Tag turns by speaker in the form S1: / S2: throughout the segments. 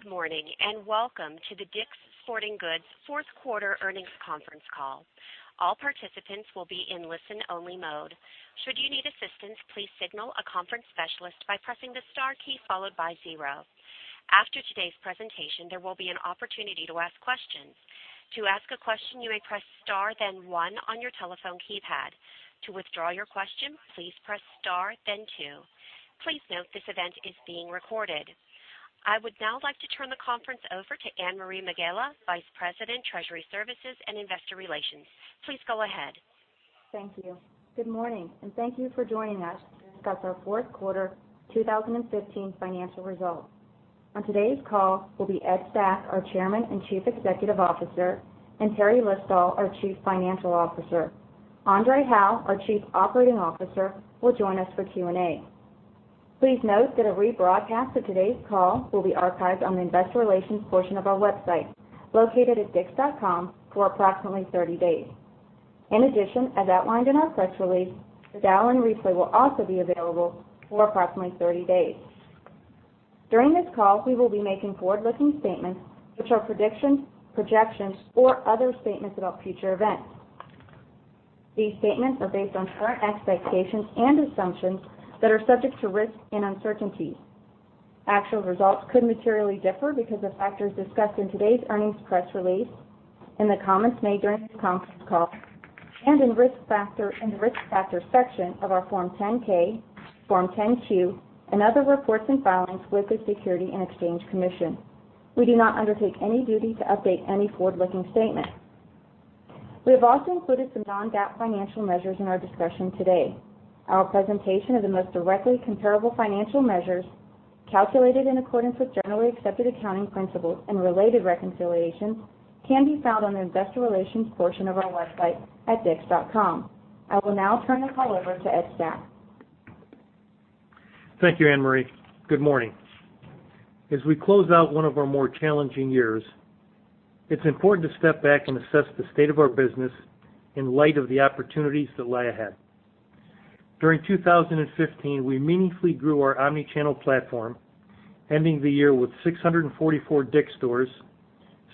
S1: Good morning, welcome to the DICK’S Sporting Goods fourth quarter earnings conference call. All participants will be in listen-only mode. Should you need assistance, please signal a conference specialist by pressing the star key followed by zero. After today's presentation, there will be an opportunity to ask questions. To ask a question, you may press star then one on your telephone keypad. To withdraw your question, please press star then two. Please note this event is being recorded. I would now like to turn the conference over to Anne-Marie Megela, Vice President, Treasury Services and Investor Relations. Please go ahead.
S2: Thank you. Good morning, thank you for joining us to discuss our fourth quarter 2015 financial results. On today's call will be Ed Stack, our Chairman and Chief Executive Officer, and Lee Belitsky, our Chief Financial Officer. André Hawaux, our Chief Operating Officer, will join us for Q&A. Please note that a rebroadcast of today's call will be archived on the investor relations portion of our website, located at dicks.com, for approximately 30 days. In addition, as outlined in our press release, the dial-in replay will also be available for approximately 30 days. During this call, we will be making forward-looking statements, which are predictions, projections, or other statements about future events. These statements are based on current expectations and assumptions that are subject to risks and uncertainties. Actual results could materially differ because of factors discussed in today's earnings press release, in the comments made during this conference call, and in the Risk Factors section of our Form 10-K, Form 10-Q, and other reports and filings with the Securities and Exchange Commission. We do not undertake any duty to update any forward-looking statement. We have also included some non-GAAP financial measures in our discussion today. Our presentation of the most directly comparable financial measures, calculated in accordance with generally accepted accounting principles and related reconciliations can be found on the investor relations portion of our website at dicks.com. I will now turn the call over to Ed Stack.
S3: Thank you, Anne-Marie. Good morning. As we close out one of our more challenging years, it's important to step back and assess the state of our business in light of the opportunities that lie ahead. During 2015, we meaningfully grew our omnichannel platform, ending the year with 644 DICK'S stores,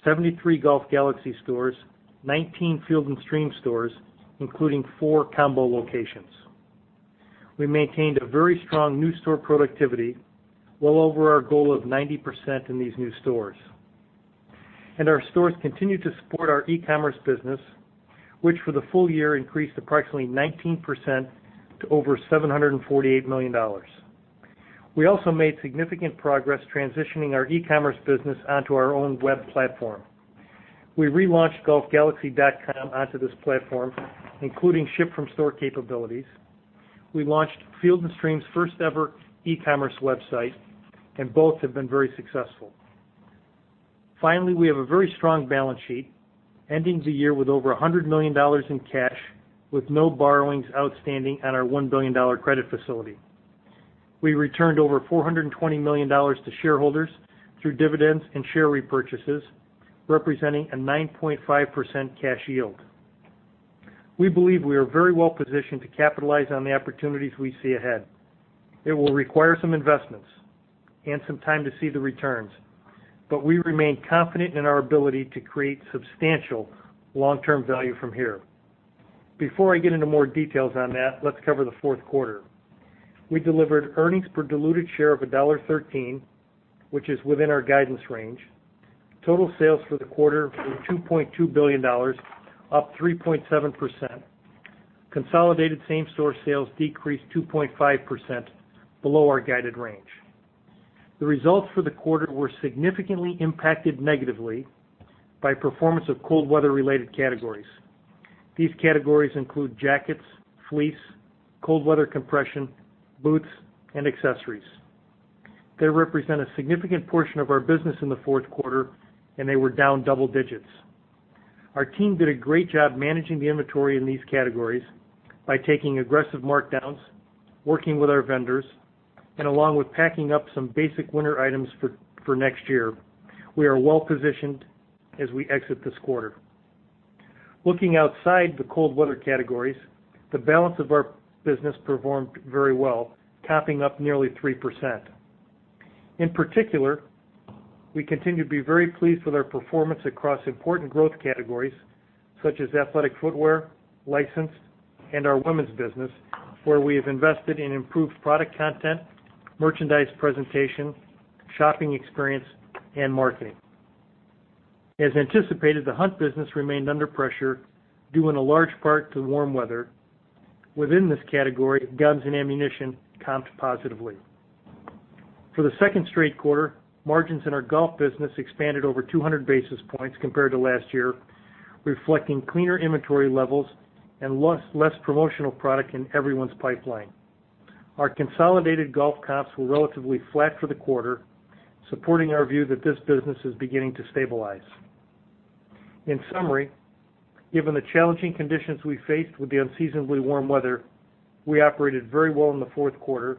S3: 73 Golf Galaxy stores, 19 Field & Stream stores, including four combo locations. Our stores continue to support our e-commerce business, which for the full year increased approximately 19% to over $748 million. We also made significant progress transitioning our e-commerce business onto our own web platform. We relaunched golfgalaxy.com onto this platform, including ship-from-store capabilities. We launched Field & Stream's first ever e-commerce website. Both have been very successful. Finally, we have a very strong balance sheet, ending the year with over $100 million in cash with no borrowings outstanding on our $1 billion credit facility. We returned over $420 million to shareholders through dividends and share repurchases, representing a 9.5% cash yield. We believe we are very well positioned to capitalize on the opportunities we see ahead. It will require some investments and some time to see the returns, we remain confident in our ability to create substantial long-term value from here. Before I get into more details on that, let's cover the fourth quarter. We delivered earnings per diluted share of $1.13, which is within our guidance range. Total sales for the quarter were $2.2 billion, up 3.7%. Consolidated same-store sales decreased 2.5%, below our guided range. The results for the quarter were significantly impacted negatively by performance of cold weather-related categories. These categories include jackets, fleece, cold weather compression, boots, and accessories. They represent a significant portion of our business in the fourth quarter, they were down double digits. Our team did a great job managing the inventory in these categories by taking aggressive markdowns, working with our vendors, and along with packing up some basic winter items for next year. We are well positioned as we exit this quarter. Looking outside the cold weather categories, the balance of our business performed very well, topping up nearly 3%. In particular, we continue to be very pleased with our performance across important growth categories such as athletic footwear, licensed, and our women's business, where we have invested in improved product content, merchandise presentation, shopping experience, and marketing. As anticipated, the hunt business remained under pressure due in a large part to warm weather. Within this category, guns and ammunition comped positively. For the second straight quarter, margins in our golf business expanded over 200 basis points compared to last year, reflecting cleaner inventory levels and less promotional product in everyone's pipeline. Our consolidated golf comps were relatively flat for the quarter, supporting our view that this business is beginning to stabilize. In summary, given the challenging conditions we faced with the unseasonably warm weather, we operated very well in the fourth quarter.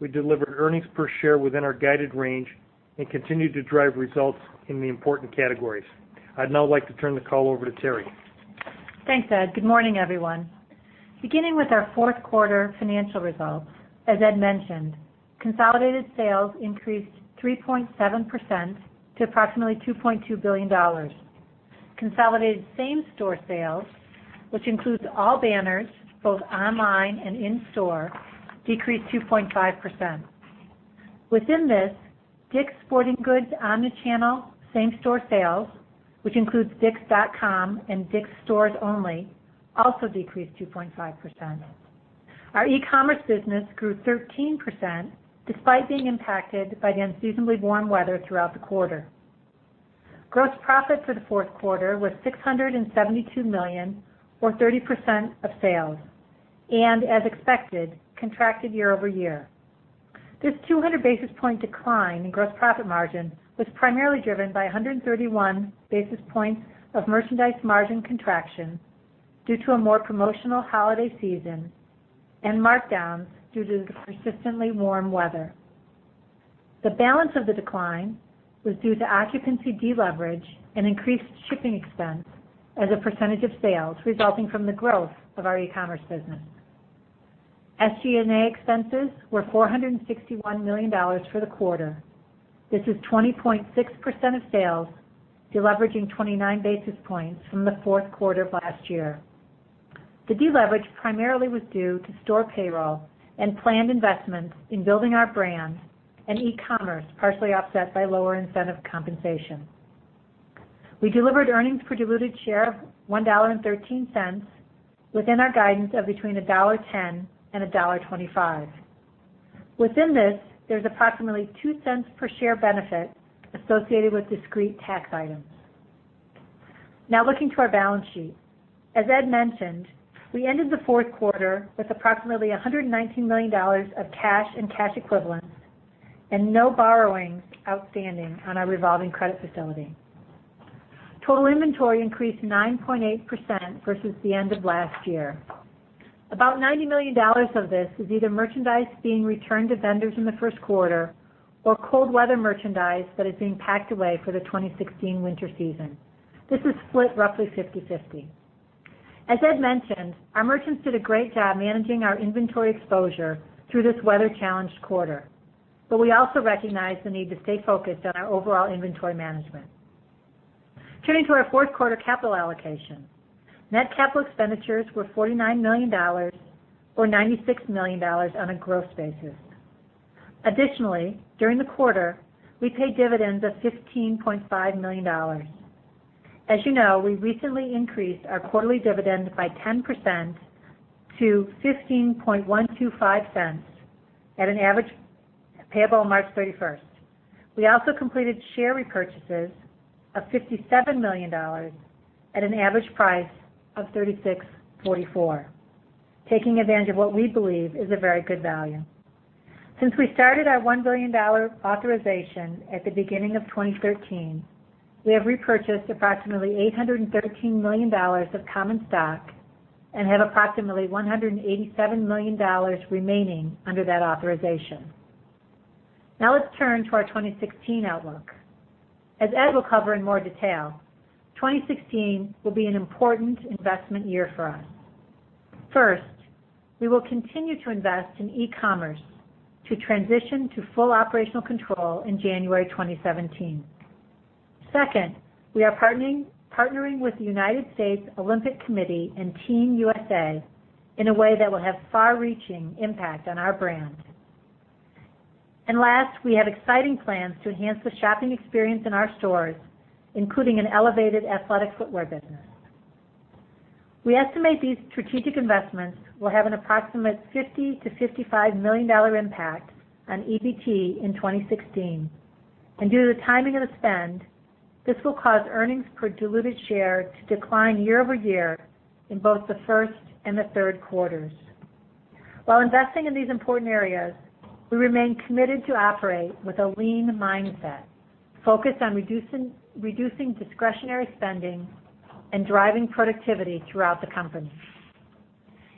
S3: We delivered earnings per share within our guided range continued to drive results in the important categories. I'd now like to turn the call over to Lee.
S4: Thanks, Ed. Good morning, everyone. Beginning with our fourth quarter financial results, as Ed mentioned, consolidated sales increased 3.7% to approximately $2.2 billion. Consolidated same-store sales, which includes all banners, both online and in-store, decreased 2.5%. Within this, DICK'S Sporting Goods' omnichannel same-store sales, which includes dicks.com and DICK'S stores only, also decreased 2.5%. Our e-commerce business grew 13%, despite being impacted by the unseasonably warm weather throughout the quarter. Gross profit for the fourth quarter was $672 million or 30% of sales, as expected, contracted year-over-year. This 200-basis point decline in gross profit margin was primarily driven by 131 basis points of merchandise margin contraction due to a more promotional holiday season and markdowns due to the persistently warm weather. The balance of the decline was due to occupancy de-leverage and increased shipping expense as a percentage of sales resulting from the growth of our e-commerce business. SG&A expenses were $461 million for the quarter. This is 20.6% of sales, deleveraging 29 basis points from the fourth quarter of last year. The deleverage primarily was due to store payroll and planned investments in building our brand and e-commerce, partially offset by lower incentive compensation. We delivered earnings per diluted share of $1.13 within our guidance of between $1.10 and $1.25. Within this, there is approximately $0.02 per share benefit associated with discrete tax items. Looking to our balance sheet. As Ed mentioned, we ended the fourth quarter with approximately $119 million of cash and cash equivalents and no borrowings outstanding on our revolving credit facility. Total inventory increased 9.8% versus the end of last year. About $90 million of this is either merchandise being returned to vendors in the first quarter or cold weather merchandise that is being packed away for the 2016 winter season. This is split roughly 50/50. As Ed mentioned, our merchants did a great job managing our inventory exposure through this weather-challenged quarter, we also recognize the need to stay focused on our overall inventory management. Turning to our fourth quarter capital allocation. Net capital expenditures were $49 million or $96 million on a gross basis. Additionally, during the quarter, we paid dividends of $15.5 million. As you know, we recently increased our quarterly dividend by 10% to $0.15125 at an average payable on March 31st. We also completed share repurchases of $57 million at an average price of $36.44, taking advantage of what we believe is a very good value. Since we started our $1 billion authorization at the beginning of 2013, we have repurchased approximately $813 million of common stock and have approximately $187 million remaining under that authorization. Let's turn to our 2016 outlook. As Ed will cover in more detail, 2016 will be an important investment year for us. First, we will continue to invest in e-commerce to transition to full operational control in January 2017. Second, we are partnering with the United States Olympic Committee and Team USA in a way that will have far-reaching impact on our brand. Last, we have exciting plans to enhance the shopping experience in our stores, including an elevated athletic footwear business. We estimate these strategic investments will have an approximate $50 million-$55 million impact on EBT in 2016. Due to the timing of the spend, this will cause earnings per diluted share to decline year-over-year in both the first and the third quarters. While investing in these important areas, we remain committed to operate with a lean mindset, focused on reducing discretionary spending and driving productivity throughout the company.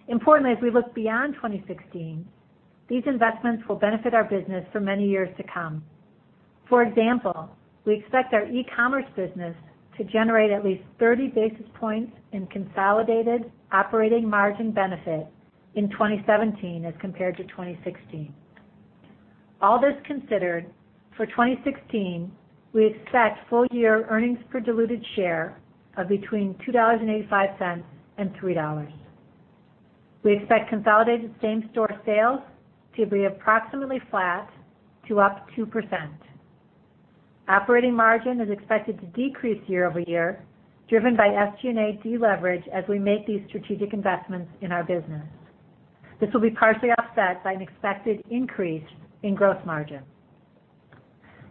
S4: Importantly, as we look beyond 2016, these investments will benefit our business for many years to come. For example, we expect our e-commerce business to generate at least 30 basis points in consolidated operating margin benefit in 2017 as compared to 2016. All this considered, for 2016, we expect full-year earnings per diluted share of between $2.85 and $3. We expect consolidated same-store sales to be approximately flat to up 2%. Operating margin is expected to decrease year-over-year, driven by SG&A deleverage as we make these strategic investments in our business. This will be partially offset by an expected increase in gross margin.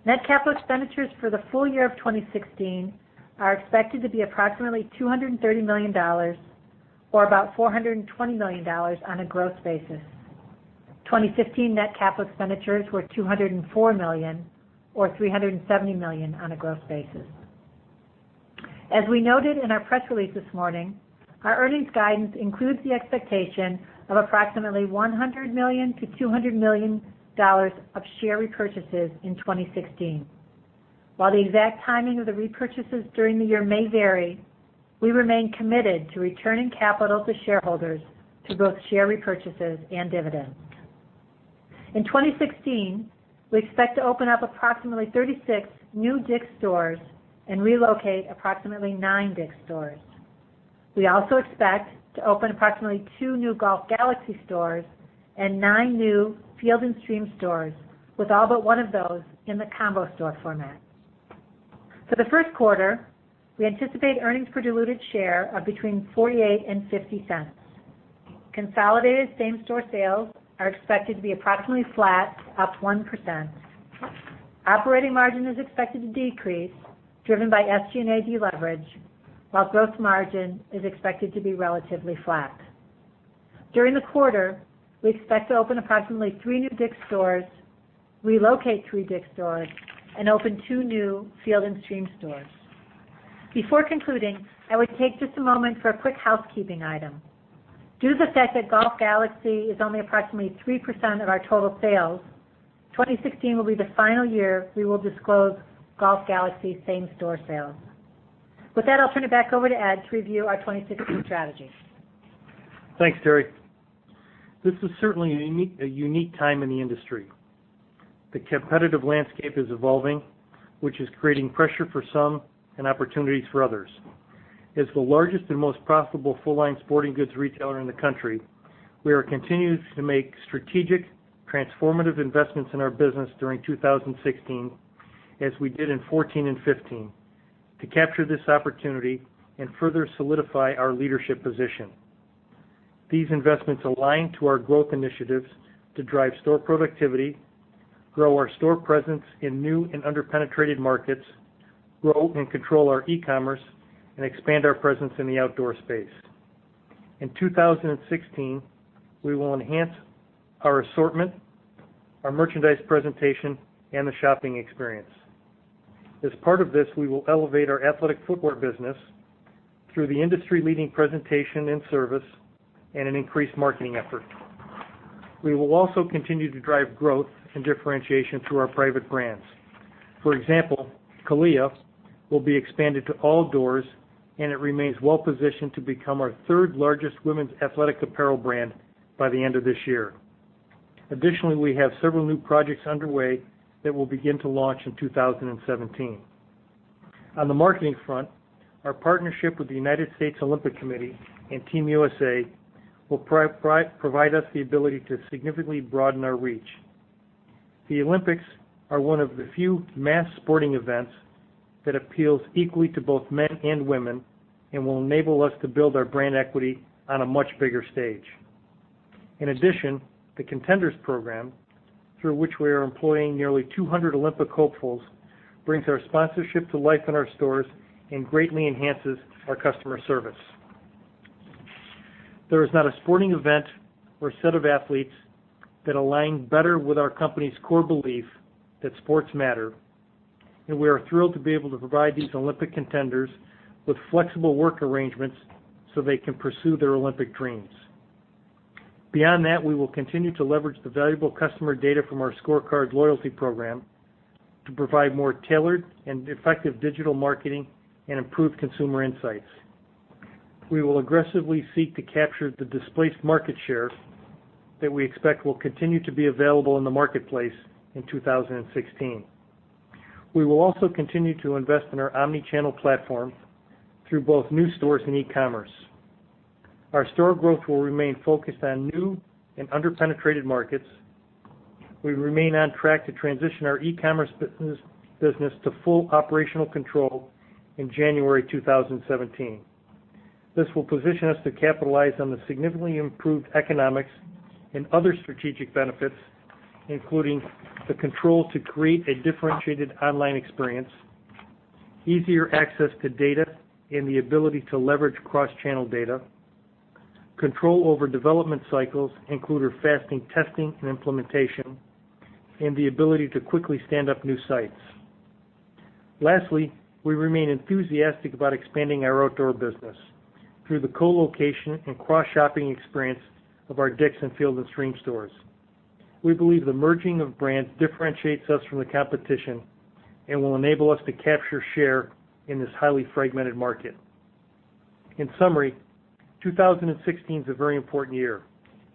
S4: Net capital expenditures for the full year of 2016 are expected to be approximately $230 million or about $420 million on a gross basis. 2015 net capital expenditures were $204 million or $370 million on a gross basis. As we noted in our press release this morning, our earnings guidance includes the expectation of approximately $100 million to $200 million of share repurchases in 2016. While the exact timing of the repurchases during the year may vary, we remain committed to returning capital to shareholders to both share repurchases and dividends. In 2016, we expect to open up approximately 36 new DICK'S stores and relocate approximately nine DICK'S stores. We also expect to open approximately two new Golf Galaxy stores and nine new Field & Stream stores, with all but one of those in the combo store format. For the first quarter, we anticipate earnings per diluted share of between $0.48 and $0.50. Consolidated same-store sales are expected to be approximately flat, up 1%. Operating margin is expected to decrease, driven by SG&A deleverage, while gross margin is expected to be relatively flat. During the quarter, we expect to open approximately three new DICK'S stores, relocate three DICK'S stores, and open two new Field & Stream stores. Before concluding, I would take just a moment for a quick housekeeping item. Due to the fact that Golf Galaxy is only approximately 3% of our total sales, 2016 will be the final year we will disclose Golf Galaxy same-store sales. With that, I'll turn it back over to Ed to review our 2016 strategy.
S3: Thanks, Lee. This is certainly a unique time in the industry. The competitive landscape is evolving, which is creating pressure for some and opportunities for others. As the largest and most profitable full-line sporting goods retailer in the country, we are continuing to make strategic, transformative investments in our business during 2016, as we did in 2014 and 2015, to capture this opportunity and further solidify our leadership position. These investments align to our growth initiatives to drive store productivity, grow our store presence in new and under-penetrated markets, grow and control our e-commerce, and expand our presence in the outdoor space. In 2016, we will enhance our assortment, our merchandise presentation, and the shopping experience. As part of this, we will elevate our athletic footwear business through the industry-leading presentation and service and an increased marketing effort. We will also continue to drive growth and differentiation through our private brands. For example, CALIA will be expanded to all doors, and it remains well-positioned to become our third-largest women's athletic apparel brand by the end of this year. Additionally, we have several new projects underway that will begin to launch in 2017. On the marketing front, our partnership with the United States Olympic Committee and Team USA will provide us the ability to significantly broaden our reach. The Olympics are one of the few mass sporting events that appeals equally to both men and women and will enable us to build our brand equity on a much bigger stage. In addition, the Contenders program, through which we are employing nearly 200 Olympic hopefuls, brings our sponsorship to life in our stores and greatly enhances our customer service. There is not a sporting event or set of athletes that align better with our company's core belief that sports matter. We are thrilled to be able to provide these Olympic contenders with flexible work arrangements so they can pursue their Olympic dreams. Beyond that, we will continue to leverage the valuable customer data from our ScoreCard loyalty program to provide more tailored and effective digital marketing and improved consumer insights. We will aggressively seek to capture the displaced market share that we expect will continue to be available in the marketplace in 2016. We will also continue to invest in our omni-channel platform through both new stores and e-commerce. Our store growth will remain focused on new and under-penetrated markets. We remain on track to transition our e-commerce business to full operational control in January 2017. This will position us to capitalize on the significantly improved economics and other strategic benefits, including the control to create a differentiated online experience, easier access to data, and the ability to leverage cross-channel data, control over development cycles, including faster testing and implementation, and the ability to quickly stand up new sites. Lastly, we remain enthusiastic about expanding our outdoor business through the co-location and cross-shopping experience of our DICK'S and Field & Stream stores. We believe the merging of brands differentiates us from the competition and will enable us to capture share in this highly fragmented market. In summary, 2016 is a very important year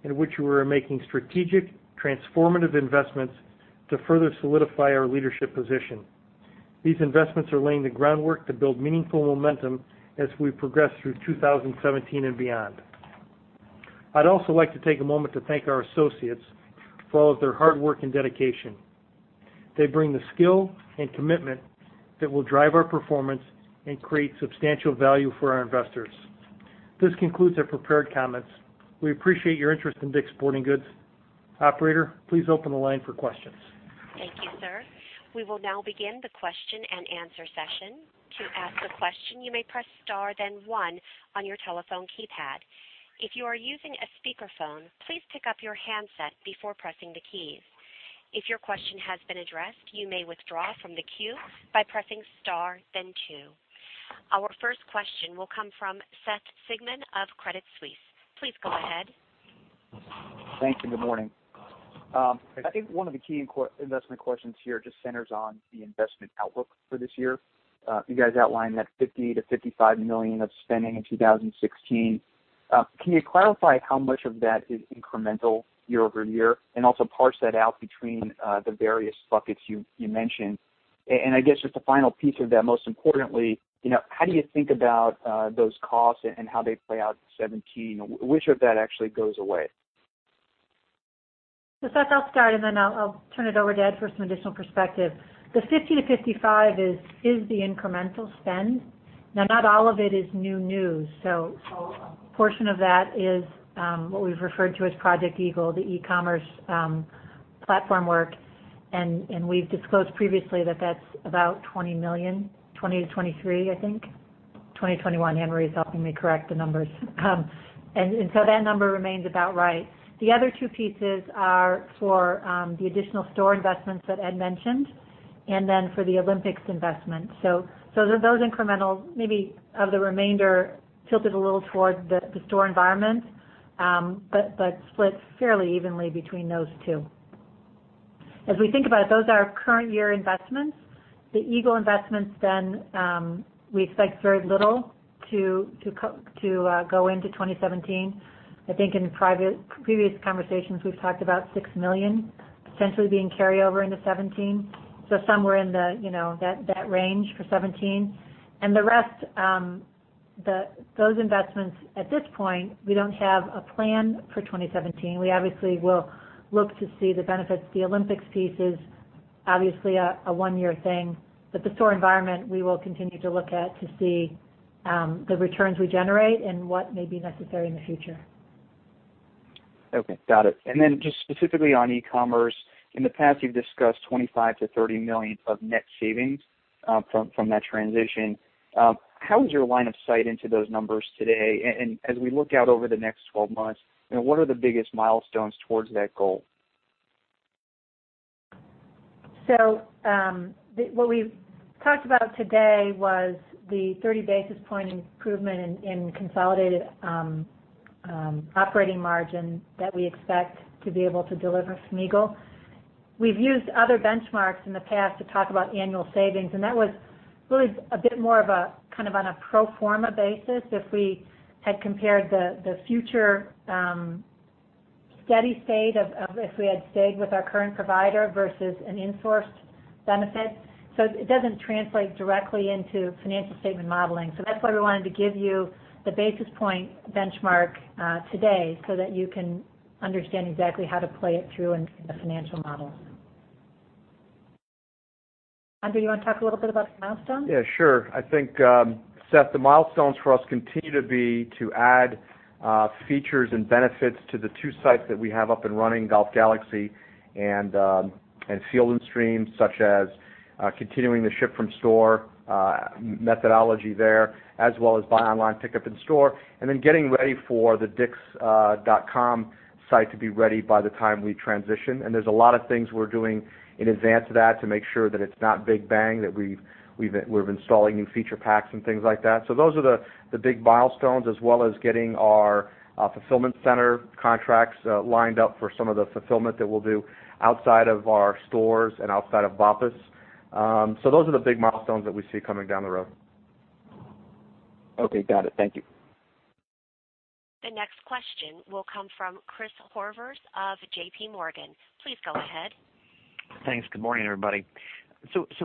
S3: in which we are making strategic, transformative investments to further solidify our leadership position. These investments are laying the groundwork to build meaningful momentum as we progress through 2017 and beyond. I'd also like to take a moment to thank our associates for all of their hard work and dedication. They bring the skill and commitment that will drive our performance and create substantial value for our investors. This concludes our prepared comments. We appreciate your interest in DICK'S Sporting Goods. Operator, please open the line for questions.
S1: Thank you, sir. We will now begin the question-and-answer session. To ask a question, you may press star then one on your telephone keypad. If you are using a speakerphone, please pick up your handset before pressing the keys. If your question has been addressed, you may withdraw from the queue by pressing star then two. Our first question will come from Seth Sigman of Credit Suisse. Please go ahead.
S5: Thanks, and good morning. I think one of the key investment questions here just centers on the investment outlook for this year. You guys outlined that $50 million-$55 million of spending in 2016. Can you clarify how much of that is incremental year-over-year, and also parse that out between the various buckets you mentioned? I guess just the final piece of that, most importantly, how do you think about those costs and how they play out in 2017? Which of that actually goes away?
S4: Seth, I'll start and then I'll turn it over to Ed for some additional perspective. The 50 to 55 is the incremental spend. Not all of it is new news. A portion of that is what we've referred to as Project Eagle, the e-commerce platform work. We've disclosed previously that that's about $20 million, $20 million-$23 million, I think. $20 million-$21 million. Henry's helping me correct the numbers. That number remains about right. The other two pieces are for the additional store investments that Ed mentioned, and then for the Olympics investment. Those incrementals, maybe of the remainder, tilted a little towards the store environment, but split fairly evenly between those two. As we think about it, those are our current year investments. The Eagle investments, we expect very little to go into 2017. I think in previous conversations, we've talked about $6 million essentially being carryover into 2017. Somewhere in that range for 2017. The rest, those investments, at this point, we don't have a plan for 2017. We obviously will look to see the benefits. The Olympics piece is obviously a one-year thing. The store environment, we will continue to look at to see the returns we generate and what may be necessary in the future.
S5: Okay, got it. Just specifically on e-commerce, in the past, you've discussed $25 million-$30 million of net savings from that transition. How is your line of sight into those numbers today? As we look out over the next 12 months, what are the biggest milestones towards that goal?
S4: What we've talked about today was the 30 basis point improvement in consolidated operating margin that we expect to be able to deliver from Eagle. We've used other benchmarks in the past to talk about annual savings, and that was really a bit more of a pro forma basis if we had compared the future steady state of if we had stayed with our current provider versus an in-sourced benefit. It doesn't translate directly into financial statement modeling. That's why we wanted to give you the basis point benchmark today so that you can understand exactly how to play it through in a financial model. Ed, do you want to talk a little bit about the milestones?
S3: Yeah, sure. I think, Seth, the milestones for us continue to be to add features and benefits to the two sites that we have up and running, Golf Galaxy and Field & Stream, such as continuing the ship-from-store methodology there, as well as buy online, pickup in store. Then getting ready for the dicks.com site to be ready by the time we transition. There's a lot of things we're doing in advance of that to make sure that it's not big bang, that we've installed new feature packs and things like that. Those are the big milestones, as well as getting our fulfillment center contracts lined up for some of the fulfillment that we'll do outside of our stores and outside of BOPUS. Those are the big milestones that we see coming down the road.
S5: Okay, got it. Thank you.
S1: The next question will come from Chris Horvers of JPMorgan. Please go ahead.
S6: Thanks. Good morning, everybody.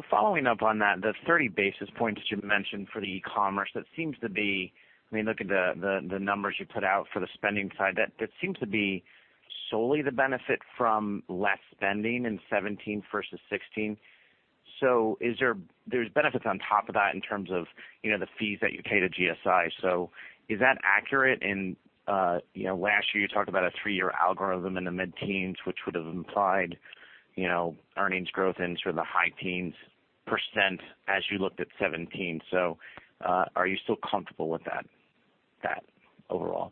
S6: Following up on that, the 30 basis points that you mentioned for the e-commerce, that seems to be, looking at the numbers you put out for the spending side, that seems to be solely the benefit from less spending in 2017 versus 2016. There's benefits on top of that in terms of the fees that you pay to GSI. Is that accurate? Last year you talked about a 3-year algorithm in the mid-teens, which would have implied earnings growth in the high teens% as you looked at 2017. Are you still comfortable with that overall?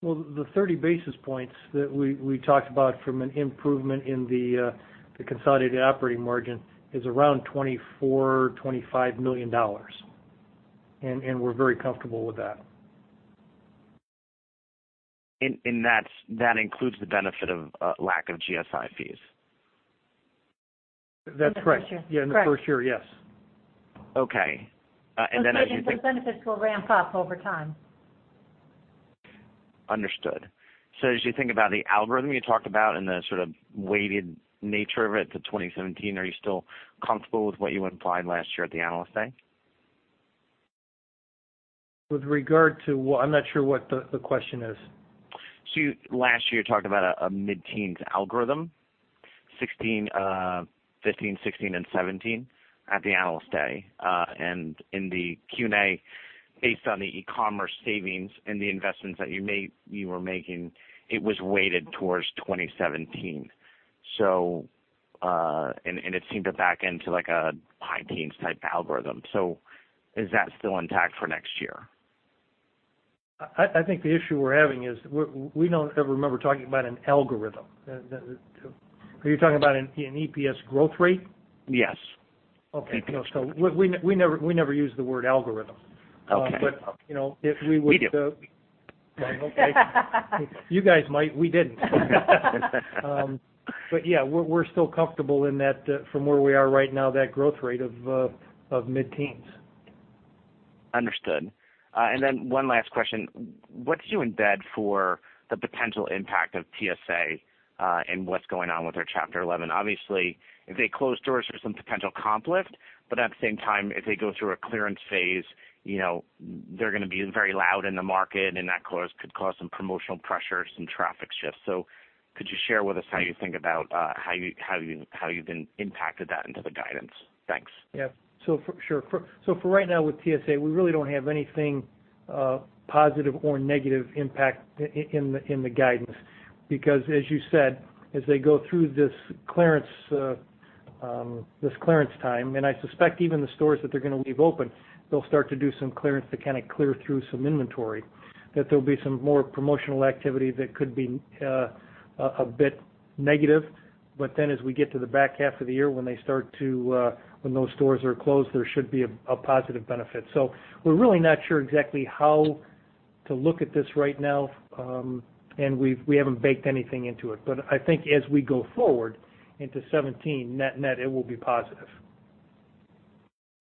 S3: Well, the 30 basis points that we talked about from an improvement in the consolidated operating margin is around $24 million-$25 million. We're very comfortable with that.
S6: That includes the benefit of lack of GSI fees.
S3: That's correct.
S4: In the first year.
S3: Yeah, in the first year, yes.
S6: Okay. I guess the.
S4: Those benefits will ramp up over time.
S6: Understood. As you think about the algorithm you talked about and the sort of weighted nature of it to 2017, are you still comfortable with what you implied last year at the Analyst Day?
S3: With regard to what? I'm not sure what the question is.
S6: Last year, you talked about a mid-teens algorithm, 2015, 2016, and 2017 at the Analyst Day. In the Q&A, based on the e-commerce savings and the investments that you were making, it was weighted towards 2017. It seemed to back into a high teens type algorithm. Is that still intact for next year?
S3: I think the issue we're having is we don't ever remember talking about an algorithm. Are you talking about an EPS growth rate?
S6: Yes.
S3: Okay. We never use the word algorithm.
S6: Okay. We do.
S3: Okay. You guys might. We didn't. Yeah, we're still comfortable in that, from where we are right now, that growth rate of mid-teens.
S6: Understood. One last question. What did you embed for the potential impact of TSA, and what's going on with their Chapter 11? Obviously, if they close stores, there's some potential comp lift, at the same time, if they go through a clearance phase, they're going to be very loud in the market, and that could cause some promotional pressure, some traffic shifts. Could you share with us how you think about how you've impacted that into the guidance? Thanks.
S3: For sure. For right now with TSA, we really don't have anything positive or negative impact in the guidance because as you said, as they go through this clearance time, and I suspect even the stores that they're going to leave open, they'll start to do some clearance to kind of clear through some inventory, that there'll be some more promotional activity that could be a bit negative. As we get to the back half of the year, when those stores are closed, there should be a positive benefit. We're really not sure exactly how to look at this right now. We haven't baked anything into it, I think as we go forward into 2017, net, it will be positive.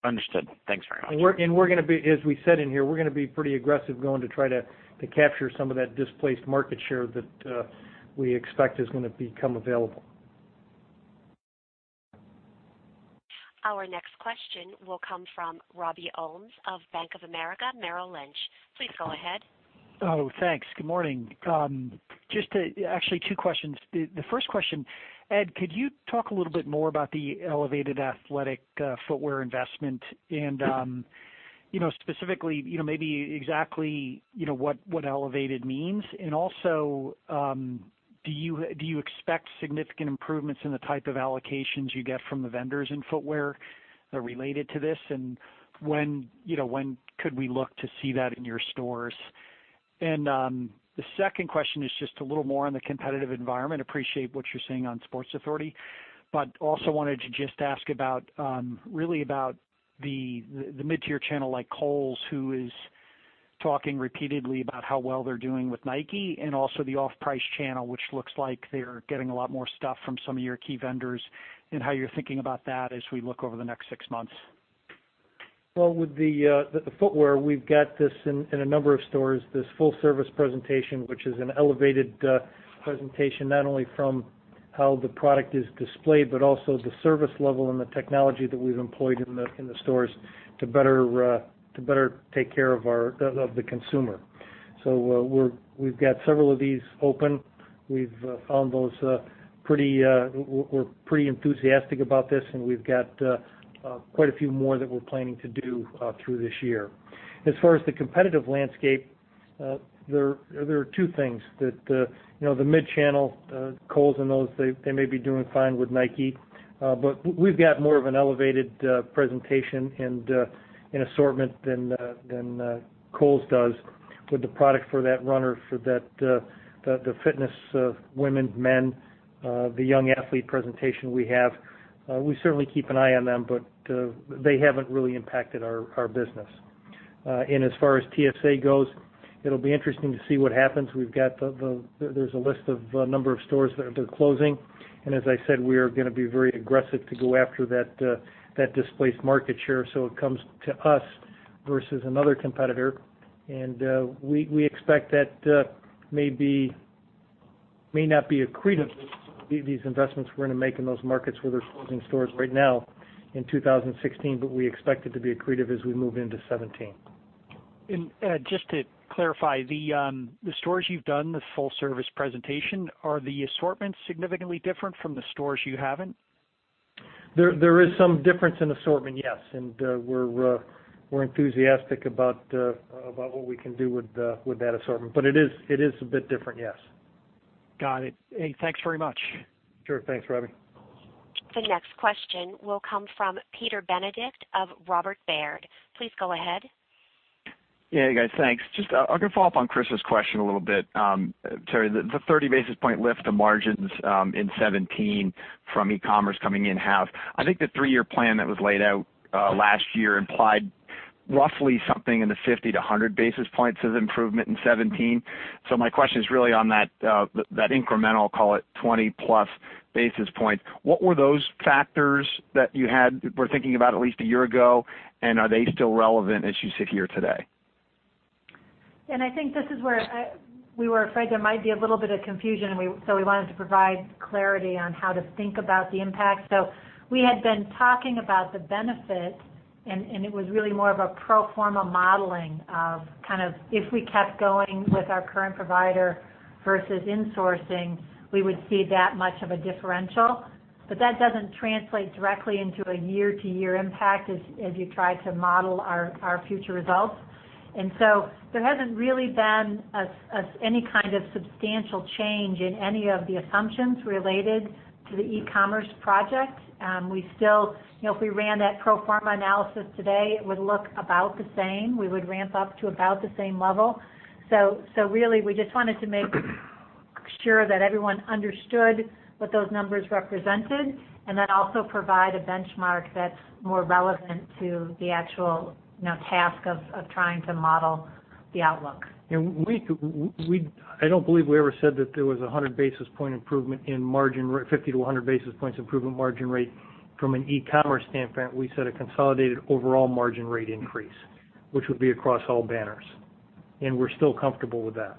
S6: Understood. Thanks very much.
S3: As we said in here, we're going to be pretty aggressive going to try to capture some of that displaced market share that we expect is going to become available.
S1: Our next question will come from Robert Ohmes of Bank of America Merrill Lynch. Please go ahead.
S7: Oh, thanks. Good morning. Actually, two questions. The first question, Ed, could you talk a little bit more about the elevated athletic footwear investment and, specifically, maybe exactly what elevated means? Do you expect significant improvements in the type of allocations you get from the vendors in footwear that are related to this? When could we look to see that in your stores? The second question is just a little more on the competitive environment. Appreciate what you're saying on Sports Authority, but also wanted to just ask really about the mid-tier channel like Kohl's, who is talking repeatedly about how well they're doing with Nike and also the off-price channel, which looks like they're getting a lot more stuff from some of your key vendors and how you're thinking about that as we look over the next 6 months.
S3: Well, with the footwear, we've got this in a number of stores, this full-service presentation, which is an elevated presentation, not only from how the product is displayed, but also the service level and the technology that we've employed in the stores to better take care of the consumer. We've got several of these open. We're pretty enthusiastic about this. We've got quite a few more that we're planning to do through this year. As far as the competitive landscape, there are two things. The mid channel, Kohl's and those, they may be doing fine with Nike. We've got more of an elevated presentation and assortment than Kohl's does with the product for that runner, for the fitness women, men, the young athlete presentation we have. We certainly keep an eye on them. They haven't really impacted our business. As far as TSA goes, it'll be interesting to see what happens. There's a list of a number of stores that they're closing. As I said, we are going to be very aggressive to go after that displaced market share so it comes to us versus another competitor. We expect that may not be accretive, these investments we're going to make in those markets where they're closing stores right now in 2016, but we expect it to be accretive as we move into 2017.
S7: Ed, just to clarify, the stores you've done, the full-service presentation, are the assortments significantly different from the stores you haven't?
S3: There is some difference in assortment, yes. We're enthusiastic about what we can do with that assortment. It is a bit different, yes.
S7: Got it. Hey, thanks very much.
S3: Sure. Thanks, Robbie.
S1: The next question will come from Peter Benedict of Robert W. Baird. Please go ahead.
S8: Yeah, guys. Thanks. Just I was going to follow up on Chris's question a little bit. Sorry, the 30 basis point lift to margins in 2017 from e-commerce coming in-house. I think the three-year plan that was laid out last year implied roughly something in the 50-100 basis points of improvement in 2017. My question is really on that incremental, call it, 20-plus basis points. What were those factors that you were thinking about at least a year ago, and are they still relevant as you sit here today?
S4: I think this is where we were afraid there might be a little bit of confusion, we wanted to provide clarity on how to think about the impact. We had been talking about the benefit, it was really more of a pro forma modeling of kind of if we kept going with our current provider versus insourcing, we would see that much of a differential. That doesn't translate directly into a year-to-year impact as you try to model our future results. There hasn't really been any kind of substantial change in any of the assumptions related to the e-commerce project. If we ran that pro forma analysis today, it would look about the same. We would ramp up to about the same level. Really, we just wanted to make sure that everyone understood what those numbers represented, also provide a benchmark that's more relevant to the actual task of trying to model the outlook.
S3: I don't believe we ever said that there was 50-100 basis points improvement margin rate from an e-commerce standpoint. We said a consolidated overall margin rate increase, which would be across all banners, we're still comfortable with that.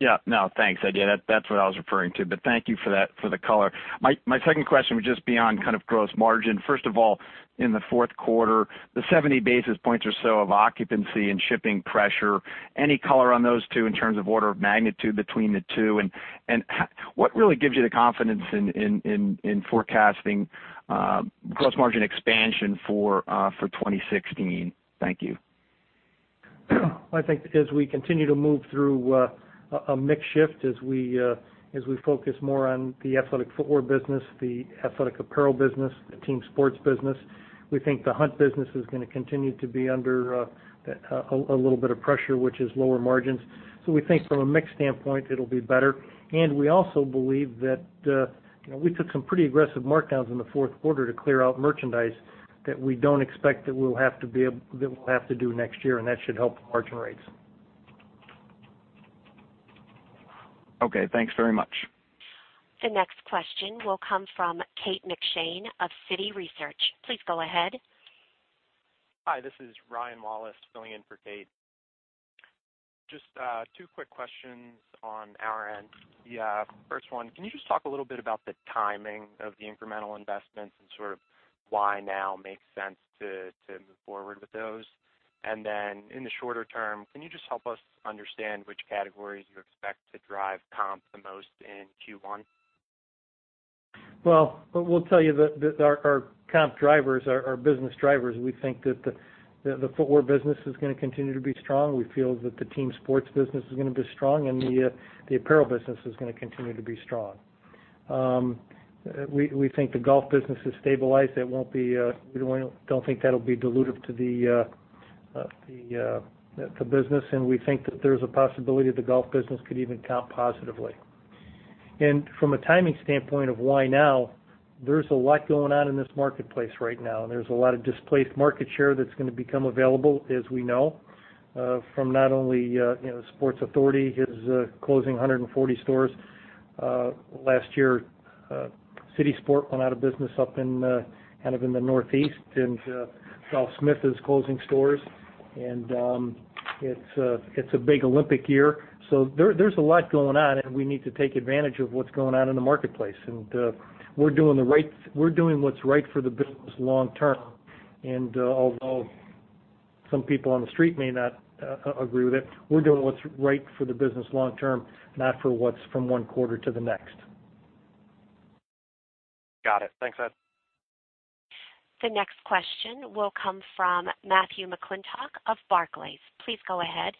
S8: Yeah. No, thanks. That's what I was referring to, but thank you for the color. My second question was beyond gross margin. First of all, in the fourth quarter, the 70 basis points or so of occupancy and shipping pressure, any color on those two in terms of order of magnitude between the two? What really gives you the confidence in forecasting gross margin expansion for 2016? Thank you.
S3: I think as we continue to move through a mix shift, as we focus more on the athletic footwear business, the athletic apparel business, the team sports business. We think the hunt business is going to continue to be under a little bit of pressure, which is lower margins. We think from a mix standpoint, it'll be better. We also believe that we took some pretty aggressive markdowns in the fourth quarter to clear out merchandise that we don't expect that we'll have to do next year, and that should help margin rates.
S8: Okay, thanks very much.
S1: The next question will come from Kate McShane of Citi Research. Please go ahead.
S9: Hi, this is Kate McShane filling in for Kate. Just two quick questions on our end. The first one, can you just talk a little bit about the timing of the incremental investments and sort of why now makes sense to move forward with those? In the shorter term, can you just help us understand which categories you expect to drive comp the most in Q1?
S3: Well, we'll tell you that our comp drivers are business drivers. We think that the footwear business is going to continue to be strong. We feel that the team sports business is going to be strong, and the apparel business is going to continue to be strong. We think the golf business has stabilized. We don't think that'll be dilutive to the business, and we think that there's a possibility that the golf business could even comp positively. From a timing standpoint of why now, there's a lot going on in this marketplace right now, and there's a lot of displaced market share that's going to become available, as we know. From not only Sports Authority is closing 140 stores. Last year, City Sports went out of business up in the Northeast, and Golfsmith is closing stores, and it's a big Olympic Year. There's a lot going on, and we need to take advantage of what's going on in the marketplace. We're doing what's right for the business long term. Although some people on the street may not agree with it, we're doing what's right for the business long term, not for what's from one quarter to the next.
S9: Got it. Thanks, Ed.
S1: The next question will come from Matthew McClintock of Barclays. Please go ahead.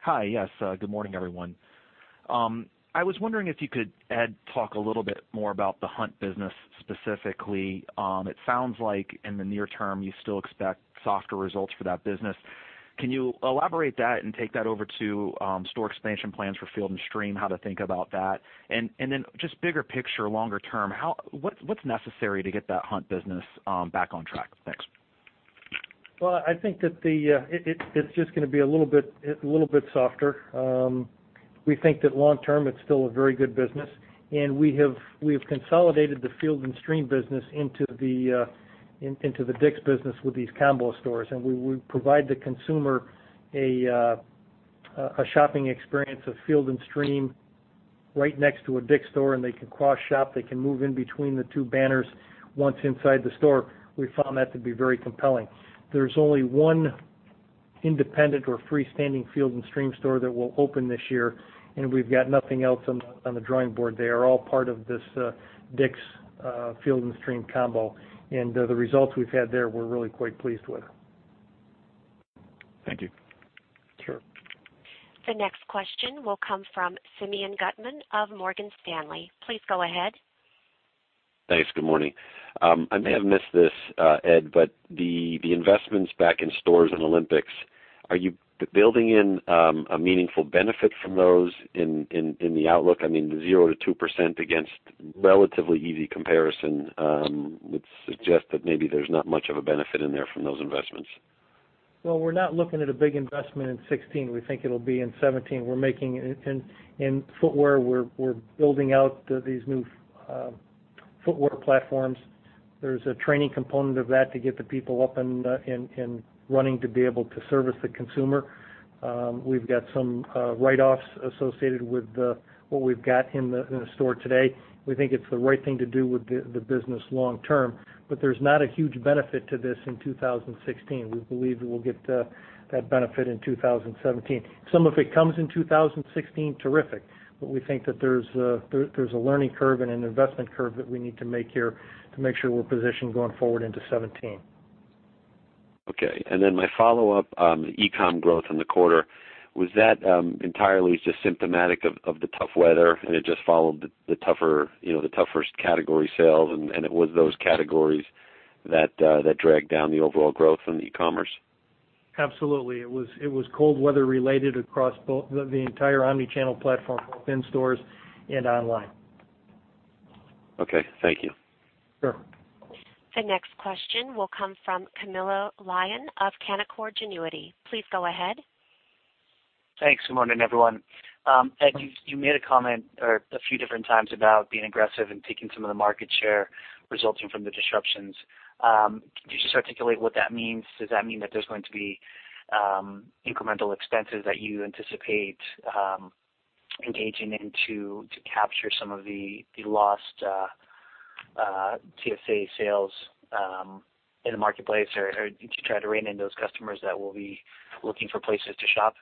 S10: Hi. Yes. Good morning, everyone. I was wondering if you could, Ed, talk a little bit more about the hunt business specifically. It sounds like in the near term, you still expect softer results for that business. Can you elaborate that and take that over to store expansion plans for Field & Stream, how to think about that? Just bigger picture, longer term, what's necessary to get that hunt business back on track? Thanks.
S3: Well, I think that it's just going to be a little bit softer. We think that long term, it's still a very good business. We have consolidated the Field & Stream business into the DICK'S business with these combo stores. We provide the consumer a shopping experience of Field & Stream right next to a DICK'S store, and they can cross-shop. They can move in between the two banners once inside the store. We found that to be very compelling. There's only one independent or freestanding Field & Stream store that will open this year. We've got nothing else on the drawing board. They are all part of this DICK'S Field & Stream combo. The results we've had there, we're really quite pleased with.
S10: Thank you.
S3: Sure.
S1: The next question will come from Simeon Gutman of Morgan Stanley. Please go ahead.
S11: Thanks. Good morning. I may have missed this, Ed, the investments back in stores and Olympics, are you building in a meaningful benefit from those in the outlook? I mean, the 0%-2% against relatively easy comparison would suggest that maybe there's not much of a benefit in there from those investments.
S3: Well, we're not looking at a big investment in 2016. We think it'll be in 2017. In footwear, we're building out these new footwear platforms. There's a training component of that to get the people up and running to be able to service the consumer. We've got some write-offs associated with what we've got in the store today. We think it's the right thing to do with the business long term. There's not a huge benefit to this in 2016. We believe we'll get that benefit in 2017. Some of it comes in 2016, terrific. We think that there's a learning curve and an investment curve that we need to make here to make sure we're positioned going forward into 2017.
S11: Okay. Then my follow-up on the e-com growth in the quarter. Was that entirely just symptomatic of the tough weather, and it just followed the tougher category sales, and it was those categories that dragged down the overall growth in the e-commerce?
S3: Absolutely. It was cold weather related across the entire omni-channel platform, both in stores and online.
S11: Okay. Thank you.
S3: Sure.
S1: The next question will come from Camilo Lyon of Canaccord Genuity. Please go ahead.
S12: Thanks. Good morning, everyone. Ed, you made a comment a few different times about being aggressive and taking some of the market share resulting from the disruptions. Could you just articulate what that means? Does that mean that there's going to be incremental expenses that you anticipate engaging into to capture some of the lost TSA sales in the marketplace, or did you try to rein in those customers that will be looking for places to shop?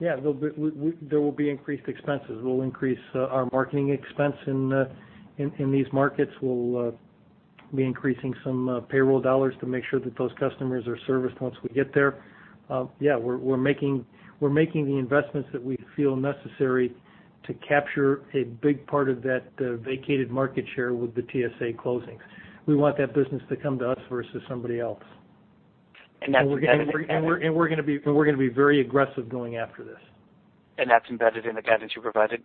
S3: Yeah. There will be increased expenses. We'll increase our marketing expense in these markets. We'll be increasing some payroll dollars to make sure that those customers are serviced once we get there. Yeah, we're making the investments that we feel necessary to capture a big part of that vacated market share with the TSA closings. We want that business to come to us versus somebody else.
S12: That's embedded in the guidance-
S3: We're going to be very aggressive going after this.
S12: That's embedded in the guidance you provided?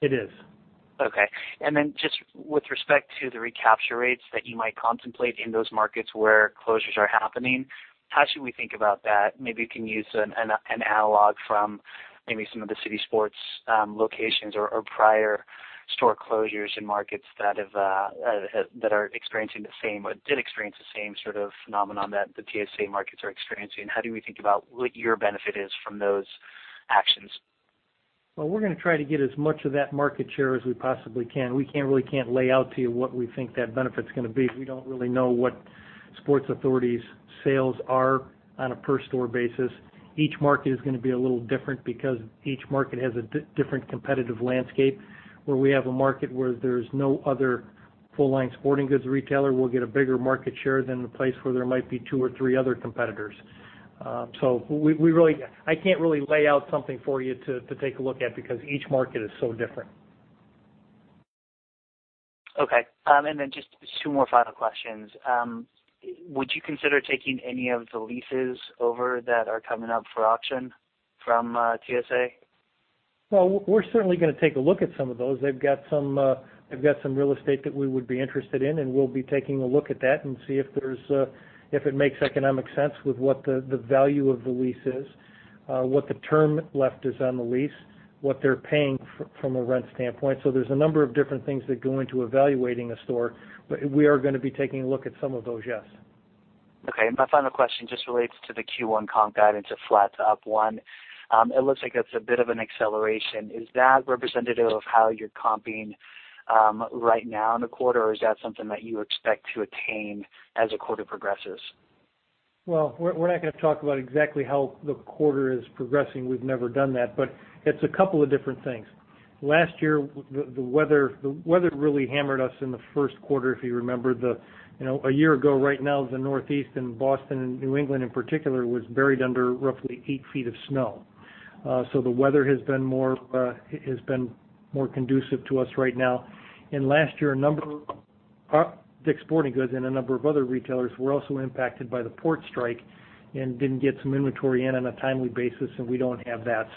S3: It is.
S12: Okay. Just with respect to the recapture rates that you might contemplate in those markets where closures are happening, how should we think about that? Maybe you can use an analog from maybe some of the City Sports locations or prior store closures in markets that are experiencing the same, or did experience the same sort of phenomenon that the TSA markets are experiencing. How do we think about what your benefit is from those actions?
S3: Well, we're going to try to get as much of that market share as we possibly can. We really can't lay out to you what we think that benefit's going to be. We don't really know what Sports Authority's sales are on a per store basis. Each market is going to be a little different because each market has a different competitive landscape. Where we have a market where there's no other full line sporting goods retailer, we'll get a bigger market share than the place where there might be two or three other competitors. I can't really lay out something for you to take a look at because each market is so different.
S12: Okay. Just two more final questions. Would you consider taking any of the leases over that are coming up for auction from TSA?
S3: Well, we're certainly going to take a look at some of those. They've got some real estate that we would be interested in, and we'll be taking a look at that and see if it makes economic sense with what the value of the lease is, what the term left is on the lease, what they're paying from a rent standpoint. There's a number of different things that go into evaluating a store, but we are going to be taking a look at some of those, yes.
S12: Okay. My final question just relates to the Q1 comp guidance of flat to up one. It looks like that's a bit of an acceleration. Is that representative of how you're comping right now in the quarter, or is that something that you expect to attain as the quarter progresses?
S3: Well, we're not going to talk about exactly how the quarter is progressing. We've never done that. It's a couple of different things. Last year, the weather really hammered us in the first quarter. If you remember, a year ago right now, the Northeast and Boston and New England in particular was buried under roughly eight feet of snow. The weather has been more conducive to us right now. Last year, a number of DICK'S Sporting Goods and a number of other retailers were also impacted by the port strike and didn't get some inventory in on a timely basis, and we don't have that.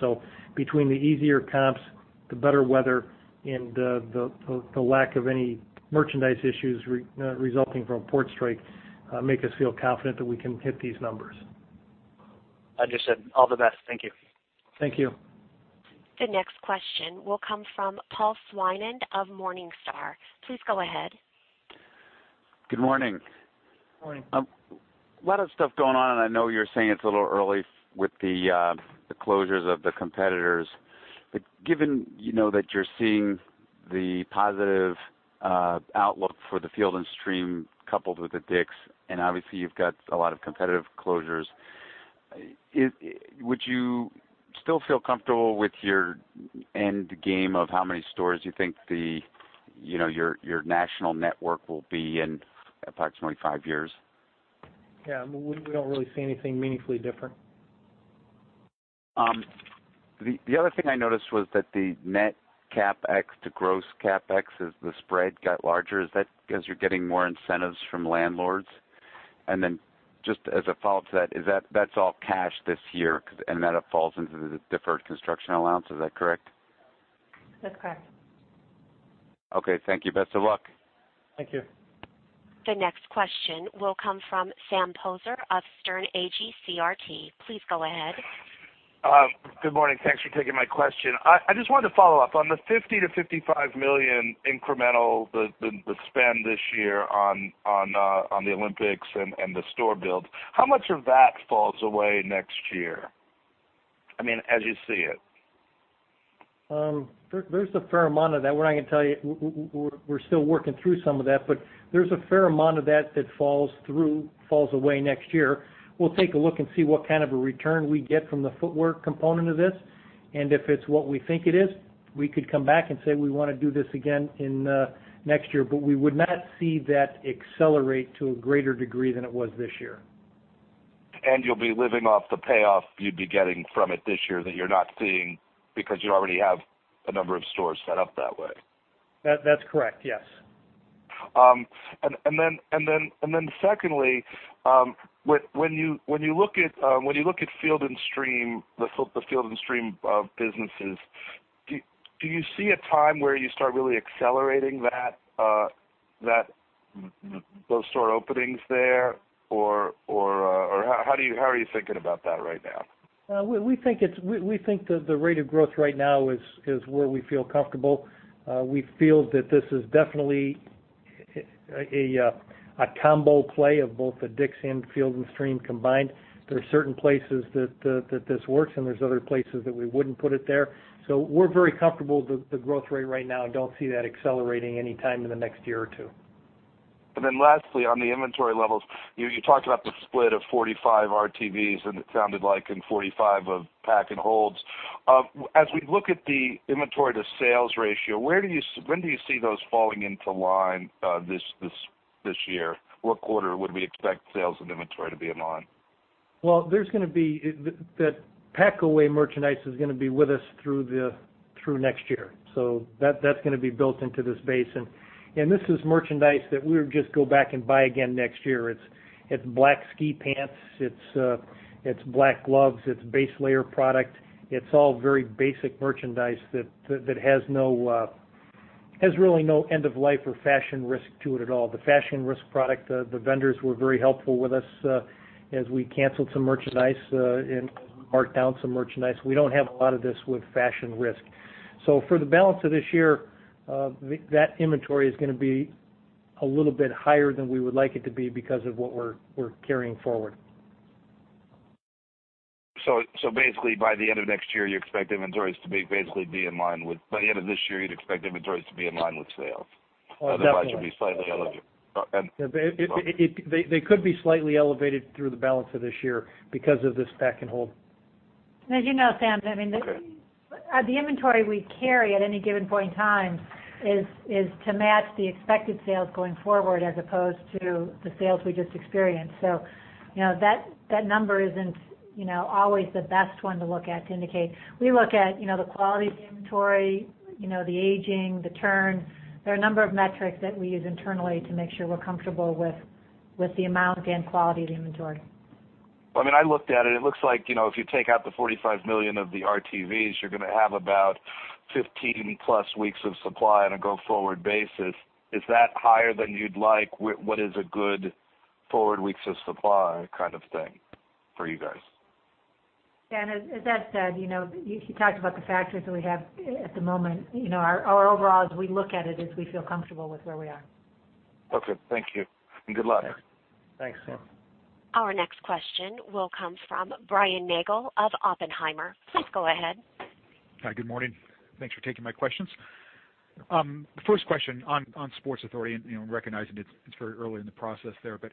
S3: Between the easier comps, the better weather, and the lack of any merchandise issues resulting from a port strike, make us feel confident that we can hit these numbers.
S12: Understood. All the best. Thank you.
S3: Thank you.
S1: The next question will come from Paul Swinand of Morningstar. Please go ahead.
S13: Good morning.
S3: Morning.
S13: A lot of stuff going on, and I know you're saying it's a little early with the closures of the competitors. Given that you're seeing the positive outlook for the Field & Stream coupled with the DICK'S, and obviously you've got a lot of competitive closures, would you still feel comfortable with your end game of how many stores you think your national network will be in approximately five years?
S3: Yeah. We don't really see anything meaningfully different.
S13: The other thing I noticed was that the net CapEx to gross CapEx is the spread got larger. Is that because you're getting more incentives from landlords? Just as a follow-up to that's all cash this year, and then it falls into the deferred construction allowance. Is that correct?
S3: That's correct.
S13: Okay. Thank you. Best of luck.
S3: Thank you.
S1: The next question will come from Sam Poser of Sterne Agee CRT. Please go ahead.
S14: Good morning. Thanks for taking my question. I just wanted to follow up. On the $50 million-$55 million incremental, the spend this year on the Olympics and the store builds, how much of that falls away next year? I mean, as you see it.
S3: There's a fair amount of that. What I can tell you, we're still working through some of that, but there's a fair amount of that that falls away next year. We'll take a look and see what kind of a return we get from the footwear component of this. If it's what we think it is, we could come back and say we want to do this again next year, but we would not see that accelerate to a greater degree than it was this year.
S14: You'll be living off the payoff you'd be getting from it this year that you're not seeing because you already have a number of stores set up that way.
S3: That's correct. Yes.
S14: Secondly, when you look at the Field & Stream businesses, do you see a time where you start really accelerating those store openings there or how are you thinking about that right now?
S3: We think that the rate of growth right now is where we feel comfortable. We feel that this is definitely a combo play of both the DICK'S and Field & Stream combined. There are certain places that this works, and there's other places that we wouldn't put it there. We're very comfortable with the growth rate right now and don't see that accelerating any time in the next year or two.
S14: Lastly, on the inventory levels, you talked about the split of 45 RTVs and it sounded like in 45 of pack and holds. As we look at the inventory to sales ratio, when do you see those falling into line this year? What quarter would we expect sales and inventory to be in line?
S3: That pack-away merchandise is going to be with us through next year. That's going to be built into this base and this is merchandise that we would just go back and buy again next year. It's black ski pants, it's black gloves, it's base layer product. It's all very basic merchandise that has really no end of life or fashion risk to it at all. The fashion risk product, the vendors were very helpful with us as we canceled some merchandise and marked down some merchandise. We don't have a lot of this with fashion risk. For the balance of this year, that inventory is going to be a little bit higher than we would like it to be because of what we're carrying forward.
S14: Basically by the end of this year, you'd expect inventories to be in line with sales.
S3: Definitely.
S14: Otherwise, you'll be slightly elevated.
S3: They could be slightly elevated through the balance of this year because of this pack and hold.
S4: As you know, Sam, the inventory we carry at any given point in time is to match the expected sales going forward as opposed to the sales we just experienced. That number isn't always the best one to look at to indicate. We look at the quality of the inventory, the aging, the turn. There are a number of metrics that we use internally to make sure we're comfortable with the amount and quality of the inventory.
S14: I looked at it. It looks like if you take out the $45 million of the RTVs, you're going to have about 15 plus weeks of supply on a go-forward basis. Is that higher than you'd like? What is a good forward weeks of supply kind of thing for you guys?
S4: Sam, as that said, he talked about the factors that we have at the moment. Our overall, as we look at it, is we feel comfortable with where we are.
S14: Okay, thank you. Good luck.
S3: Thanks, Sam.
S1: Our next question will come from Brian Nagel of Oppenheimer. Please go ahead.
S15: Hi, good morning. Thanks for taking my questions. First question on Sports Authority, and recognizing it's very early in the process there, but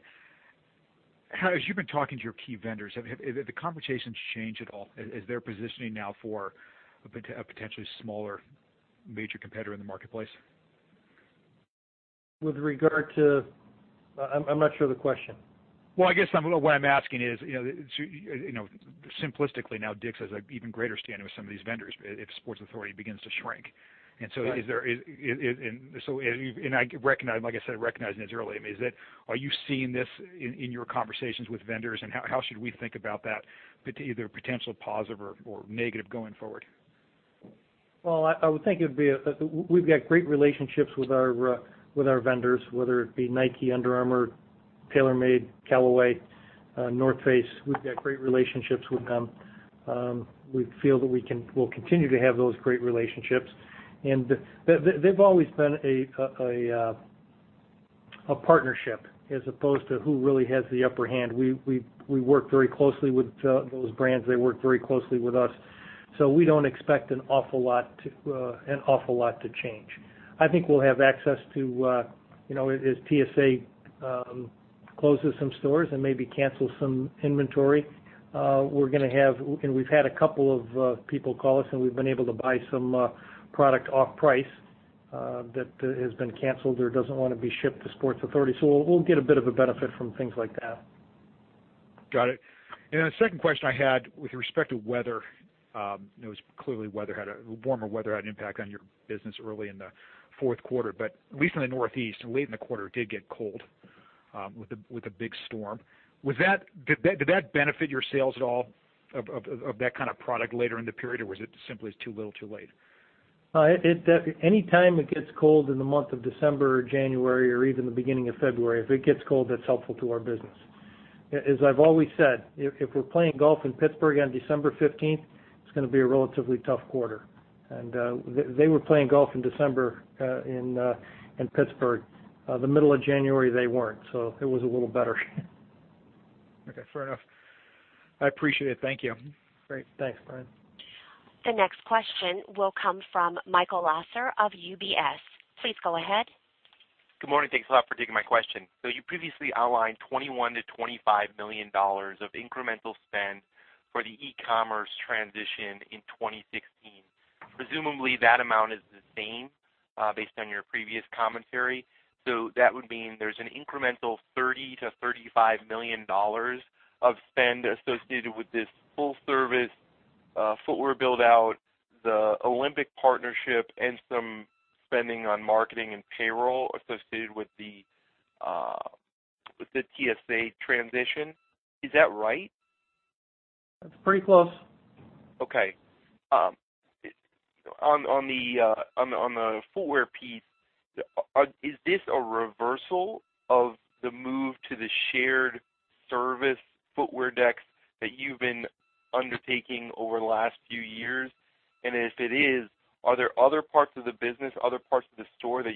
S15: as you've been talking to your key vendors, have the conversations changed at all as they're positioning now for a potentially smaller major competitor in the marketplace?
S3: I'm not sure of the question.
S15: Well, I guess what I'm asking is, simplistically now DICK'S has an even greater standing with some of these vendors if Sports Authority begins to shrink.
S3: Right.
S15: I recognize, like I said, recognizing it's early. Are you seeing this in your conversations with vendors, and how should we think about that, either potential positive or negative going forward?
S3: I would think we've got great relationships with our vendors, whether it be Nike, Under Armour, TaylorMade, Callaway, North Face. We've got great relationships with them. We feel that we'll continue to have those great relationships. They've always been a partnership as opposed to who really has the upper hand. We work very closely with those brands. They work very closely with us. We don't expect an awful lot to change. I think we'll have access to, as TSA closes some stores and maybe cancels some inventory, and we've had a couple of people call us and we've been able to buy some product off price that has been canceled or doesn't want to be shipped to Sports Authority. We'll get a bit of a benefit from things like that.
S15: Got it. Then the second question I had with respect to weather. It was clearly warmer weather had an impact on your business early in the fourth quarter, at least in the Northeast, late in the quarter, it did get cold with a big storm. Did that benefit your sales at all of that kind of product later in the period? Or was it simply it's too little, too late?
S3: Any time it gets cold in the month of December or January or even the beginning of February, if it gets cold, that's helpful to our business. As I've always said, if we're playing golf in Pittsburgh on December 15th, it's going to be a relatively tough quarter. They were playing golf in December in Pittsburgh. The middle of January, they weren't. It was a little better.
S15: Okay, fair enough. I appreciate it. Thank you.
S3: Great. Thanks, Brian.
S1: The next question will come from Michael Lasser of UBS. Please go ahead.
S16: Good morning. Thanks a lot for taking my question. You previously outlined $21 million-$25 million of incremental spend for the e-commerce transition in 2016. Presumably, that amount is the same based on your previous commentary. That would mean there's an incremental $30 million-$35 million of spend associated with this full service footwear build-out, the Olympic partnership, and some spending on marketing and payroll associated with the TSA transition. Is that right?
S3: That's pretty close.
S16: On the footwear piece, is this a reversal of the move to the shared service footwear decks that you've been undertaking over the last few years? If it is, are there other parts of the business, other parts of the store that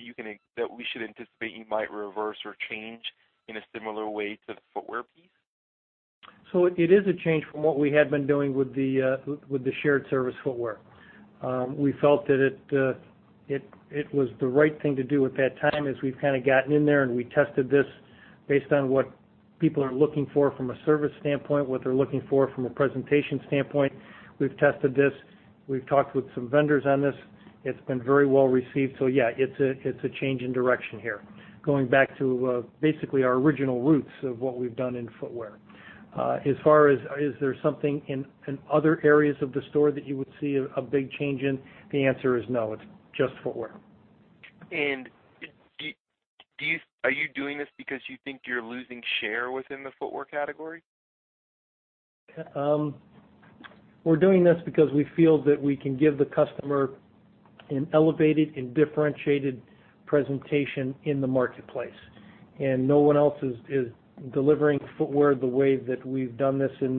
S16: we should anticipate you might reverse or change in a similar way to the footwear piece?
S3: It is a change from what we had been doing with the shared service footwear. We felt that it was the right thing to do at that time as we've kind of gotten in there, we tested this based on what people are looking for from a service standpoint, what they're looking for from a presentation standpoint. We've tested this. We've talked with some vendors on this. It's been very well received. Yeah, it's a change in direction here, going back to basically our original roots of what we've done in footwear. As far as, is there something in other areas of the store that you would see a big change in, the answer is no. It's just footwear.
S16: Are you doing this because you think you're losing share within the footwear category?
S3: We're doing this because we feel that we can give the customer an elevated and differentiated presentation in the marketplace. No one else is delivering footwear the way that we've done this in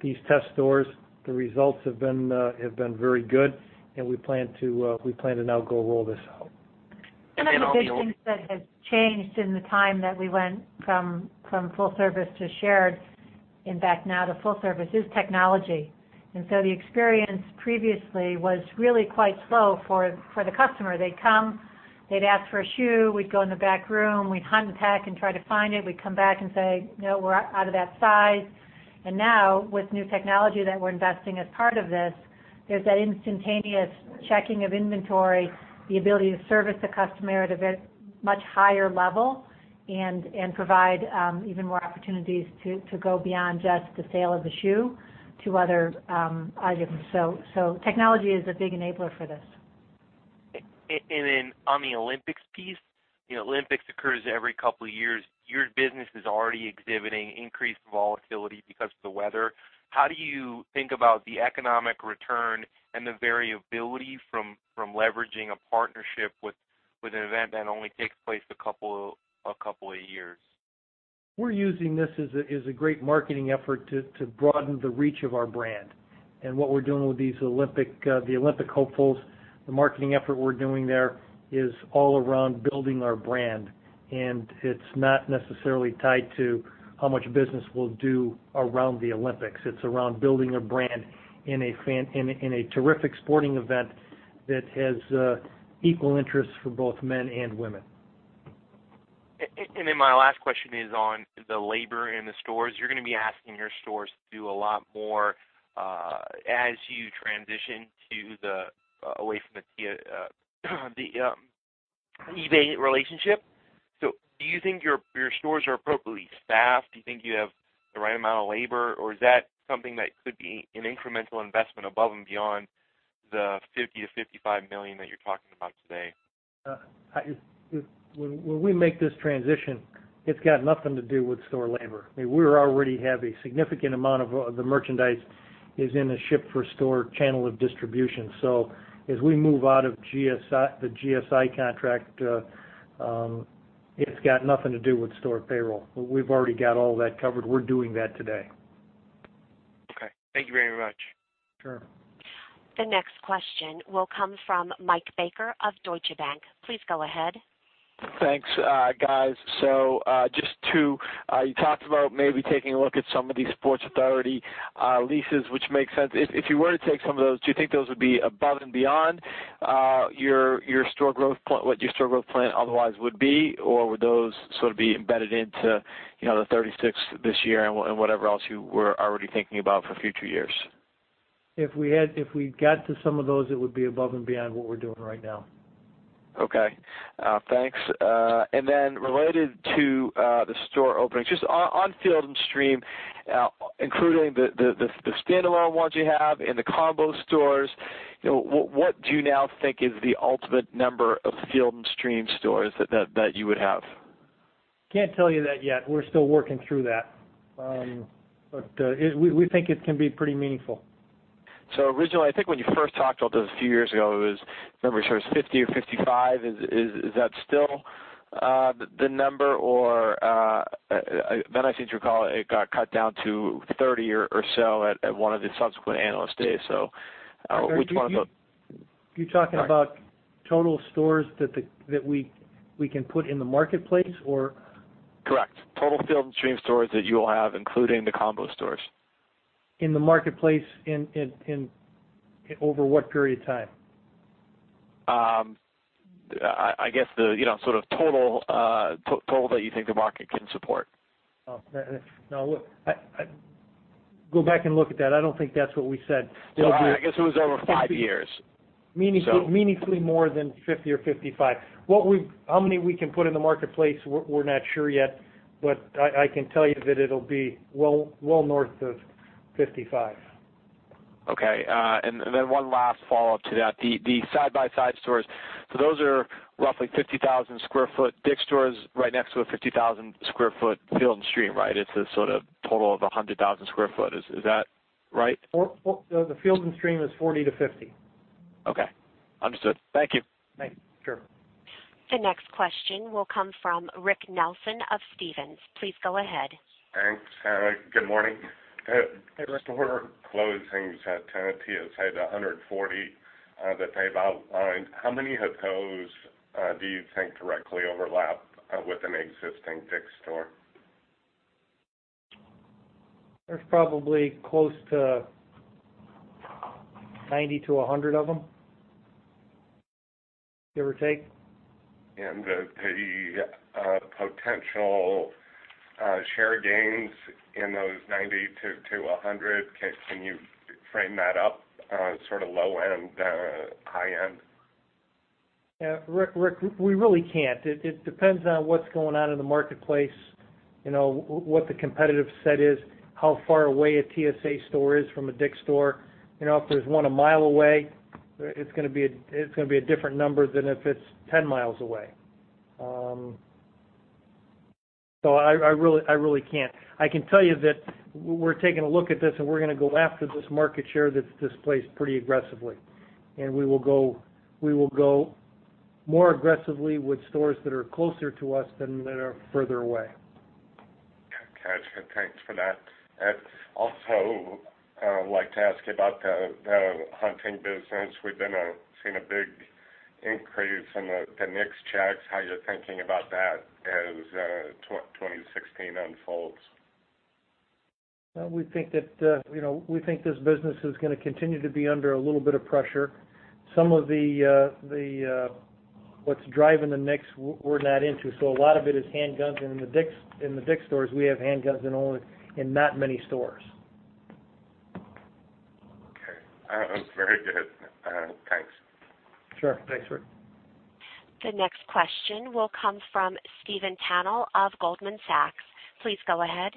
S3: these test stores. The results have been very good. We plan to now go roll this out.
S4: I would say things that have changed in the time that we went from full service to shared, in fact, now to full service, is technology. The experience previously was really quite slow for the customer. They'd come, they'd ask for a shoe, we'd go in the back room, we'd hunt and peck and try to find it. We'd come back and say, "No, we're out of that size." Now, with new technology that we're investing as part of this, there's that instantaneous checking of inventory, the ability to service the customer at a much higher level, and provide even more opportunities to go beyond just the sale of the shoe to other items. Technology is a big enabler for this.
S16: On the Olympics piece, the Olympics occurs every couple of years. Your business is already exhibiting increased volatility because of the weather. How do you think about the economic return and the variability from leveraging a partnership with an event that only takes place a couple of years?
S3: We're using this as a great marketing effort to broaden the reach of our brand. What we're doing with the Olympic hopefuls, the marketing effort we're doing there, is all around building our brand. It's not necessarily tied to how much business we'll do around the Olympics. It's around building a brand in a terrific sporting event that has equal interest for both men and women.
S16: My last question is on the labor in the stores. You're going to be asking your stores to do a lot more as you transition away from the eBay relationship. Do you think your stores are appropriately staffed? Do you think you have the right amount of labor, or is that something that could be an incremental investment above and beyond the $50 million-$55 million that you're talking about today?
S3: When we make this transition, it's got nothing to do with store labor. We already have a significant amount of the merchandise is in a ship for store channel of distribution. As we move out of the GSI contract, it's got nothing to do with store payroll. We've already got all that covered. We're doing that today.
S16: Okay. Thank you very much.
S3: Sure.
S1: The next question will come from Michael Baker of Deutsche Bank. Please go ahead.
S17: Thanks, guys. You talked about maybe taking a look at some of these Sports Authority leases, which makes sense. If you were to take some of those, do you think those would be above and beyond what your store growth plan otherwise would be, or would those sort of be embedded into the 36 this year and whatever else you were already thinking about for future years?
S3: If we got to some of those, it would be above and beyond what we're doing right now.
S17: Okay. Thanks. Then related to the store openings, just on Field & Stream including the standalone ones you have and the combo stores, what do you now think is the ultimate number of Field & Stream stores that you would have?
S3: Can't tell you that yet. We're still working through that. We think it can be pretty meaningful.
S17: I think when you first talked about this a few years ago, it was, remember, it was 50 or 55. Is that still the number or? I seem to recall it got cut down to 30 or so at one of the subsequent Analyst Days, which one of the
S3: Are you talking about total stores that we can put in the marketplace or?
S17: Correct. Total Field & Stream stores that you will have, including the combo stores.
S3: In the marketplace in over what period of time?
S17: I guess the sort of total that you think the market can support.
S3: Oh. Now look, go back and look at that. I don't think that's what we said.
S17: I guess it was over five years.
S3: Meaningfully more than 50 or 55. How many we can put in the marketplace, we're not sure yet, but I can tell you that it'll be well north of 55.
S17: Okay. One last follow-up to that. The side-by-side stores, those are roughly 50,000 sq ft DICK'S stores right next to a 50,000 sq ft Field & Stream, right? It's a sort of total of 100,000 sq ft. Is that right?
S3: The Field & Stream is 40 to 50.
S17: Okay. Understood. Thank you.
S3: Thanks. Sure.
S1: The next question will come from Rick Nelson of Stephens. Please go ahead.
S18: Thanks. Good morning.
S3: Hey, Rick.
S18: Store closings at TSA, the 140 that they've outlined. How many of those do you think directly overlap with an existing DICK'S store?
S3: There's probably close to 90 to 100 of them, give or take.
S18: The potential share gains in those 90 to 100, can you frame that up, sort of low end, high end?
S3: Yeah. Rick, we really can't. It depends on what's going on in the marketplace, what the competitive set is, how far away a TSA store is from a DICK'S store. If there's one a mile away, it's going to be a different number than if it's 10 miles away. I really can't. I can tell you that we're taking a look at this, and we're going to go after this market share that's displaced pretty aggressively. We will go more aggressively with stores that are closer to us than that are further away.
S18: Okay. Thanks for that. Also, I would like to ask you about the hunting business. We've been seeing a big increase in the NICS checks, how you're thinking about that as 2016 unfolds.
S3: We think this business is going to continue to be under a little bit of pressure. Some of what's driving the NICS, we're not into. A lot of it is handguns, and in the DICK'S stores, we have handguns in not many stores.
S18: Okay. Very good. Thanks.
S3: Sure. Thanks, Rick.
S1: The next question will come from Stephen Tanal of Goldman Sachs. Please go ahead.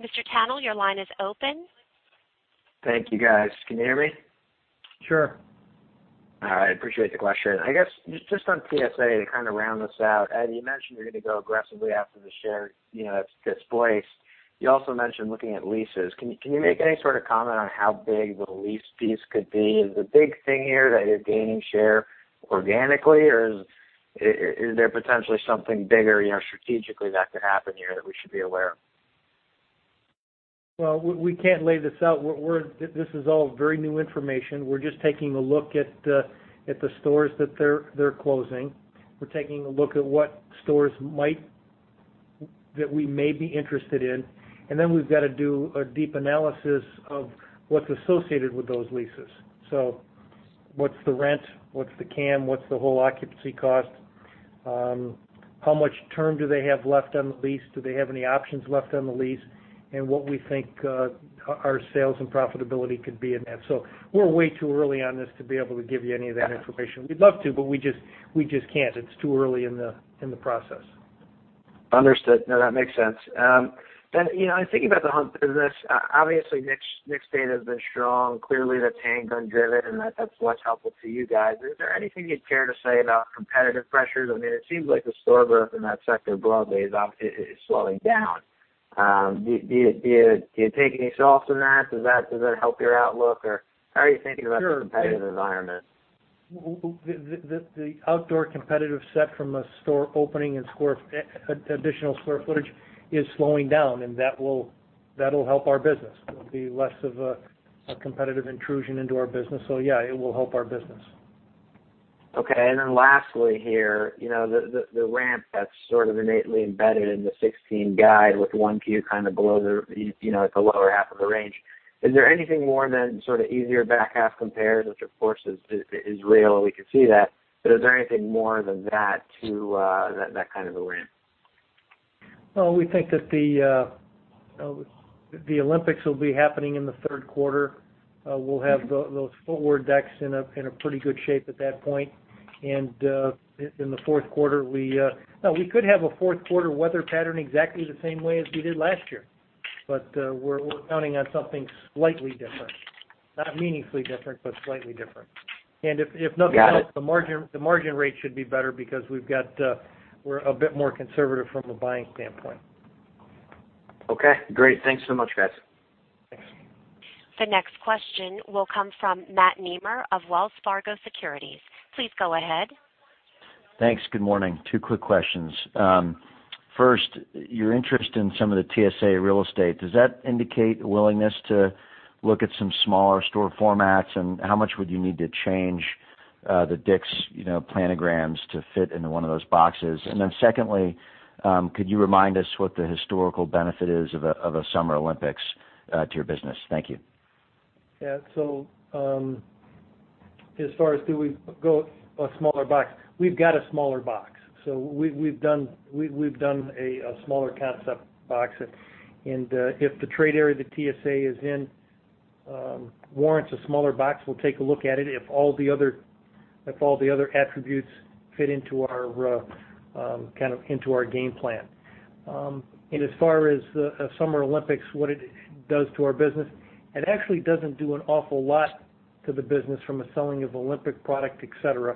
S1: Mr. Tanal, your line is open.
S19: Thank you, guys. Can you hear me?
S3: Sure.
S19: All right. Appreciate the question. I guess, just on TSA to kind of round this out. Eddie, you mentioned you're going to go aggressively after the share that's displaced. You also mentioned looking at leases. Can you make any sort of comment on how big the lease piece could be? Is the big thing here that you're gaining share organically, or is there potentially something bigger strategically that could happen here that we should be aware of?
S3: Well, we can't lay this out. This is all very new information. We're just taking a look at the stores that they're closing. We're taking a look at what stores that we may be interested in. We've got to do a deep analysis of what's associated with those leases. What's the rent, what's the CAM, what's the whole occupancy cost? How much term do they have left on the lease? Do they have any options left on the lease? What we think our sales and profitability could be in that. We're way too early on this to be able to give you any of that information. We'd love to, but we just can't. It's too early in the process.
S19: Understood. No, that makes sense. I'm thinking about the hunt business. Obviously, NICS data has been strong. Clearly, that's handgun driven, and that's less helpful to you guys. Is there anything you'd care to say about competitive pressures? It seems like the store growth in that sector broadly is slowing down. Do you take any solace in that? Does that help your outlook, or how are you thinking about the competitive environment?
S3: The outdoor competitive set from a store opening and additional square footage is slowing down, that'll help our business. It'll be less of a competitive intrusion into our business. Yeah, it will help our business.
S19: Okay. Lastly here, the ramp that's sort of innately embedded in the 2016 guide with 1Q kind of below the lower half of the range. Is there anything more than sort of easier back half compares, which of course is real, and we can see that. Is there anything more than that to that kind of a ramp?
S3: Well, we think that the Olympics will be happening in the third quarter. We'll have those footwear decks in a pretty good shape at that point. In the fourth quarter, we could have a fourth quarter weather pattern exactly the same way as we did last year. We're counting on something slightly different. Not meaningfully different, but slightly different. If nothing else.
S19: Got it.
S3: The margin rate should be better because we're a bit more conservative from a buying standpoint.
S19: Okay, great. Thanks so much, guys.
S3: Thanks.
S1: The next question will come from Matt Nemer of Wells Fargo Securities. Please go ahead.
S20: Thanks. Good morning. Two quick questions. First, your interest in some of the TSA real estate, does that indicate a willingness to look at some smaller store formats, and how much would you need to change the DICK'S planograms to fit into one of those boxes? Secondly, could you remind us what the historical benefit is of a Summer Olympics to your business? Thank you.
S3: Yeah. As far as do we go a smaller box, we've got a smaller box. We've done a smaller concept box, and if the trade area the TSA is in warrants a smaller box, we'll take a look at it if all the other attributes fit into our game plan. As far as the Summer Olympics, what it does to our business, it actually doesn't do an awful lot to the business from a selling of Olympic product, et cetera.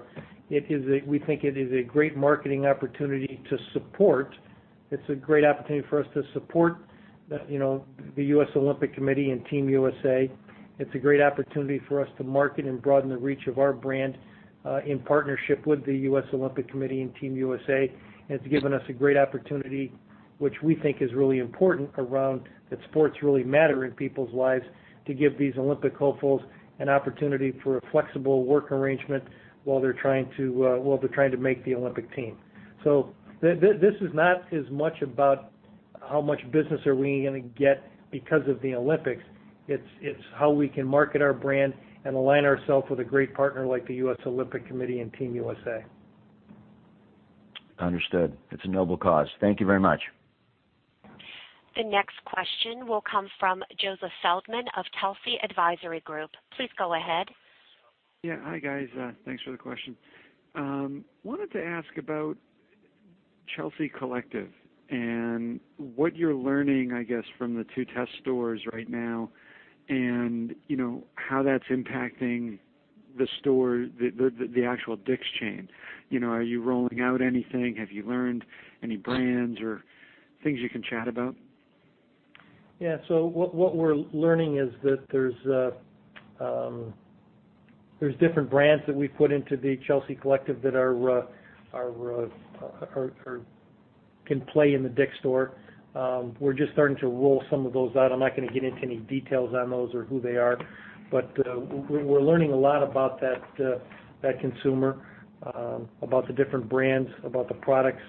S3: We think it is a great marketing opportunity to support. It's a great opportunity for us to support the US Olympic Committee and Team USA. It's a great opportunity for us to market and broaden the reach of our brand, in partnership with the US Olympic Committee and Team USA. It's given us a great opportunity, which we think is really important around that sports really matter in people's lives, to give these Olympic hopefuls an opportunity for a flexible work arrangement while they're trying to make the Olympic team. This is not as much about how much business are we going to get because of the Olympics. It's how we can market our brand and align ourselves with a great partner like the US Olympic Committee and Team USA.
S20: Understood. It's a noble cause. Thank you very much.
S1: The next question will come from Joseph Silverman of Telsey Advisory Group. Please go ahead.
S21: Yeah. Hi, guys. Thanks for the question. Wanted to ask about Chelsea Collective and what you're learning, I guess, from the two test stores right now, and how that's impacting the actual DICK'S chain. Are you rolling out anything? Have you learned any brands or things you can chat about?
S3: Yeah. What we're learning is that there's different brands that we've put into the Chelsea Collective that can play in the DICK'S Store. We're just starting to roll some of those out. I'm not going to get into any details on those or who they are. We're learning a lot about that consumer, about the different brands, about the products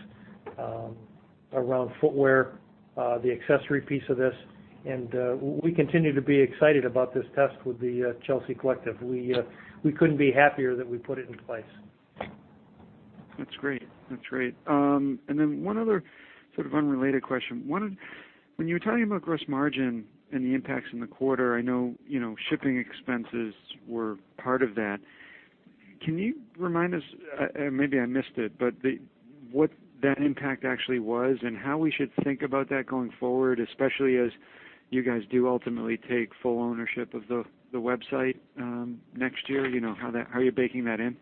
S3: around footwear, the accessory piece of this. We continue to be excited about this test with the Chelsea Collective. We couldn't be happier that we put it in place.
S21: That's great. Then one other sort of unrelated question. When you were talking about gross margin and the impacts in the quarter, I know shipping expenses were part of that. Can you remind us, maybe I missed it, but what that impact actually was and how we should think about that going forward, especially as you guys do ultimately take full ownership of the website next year, how are you baking that in?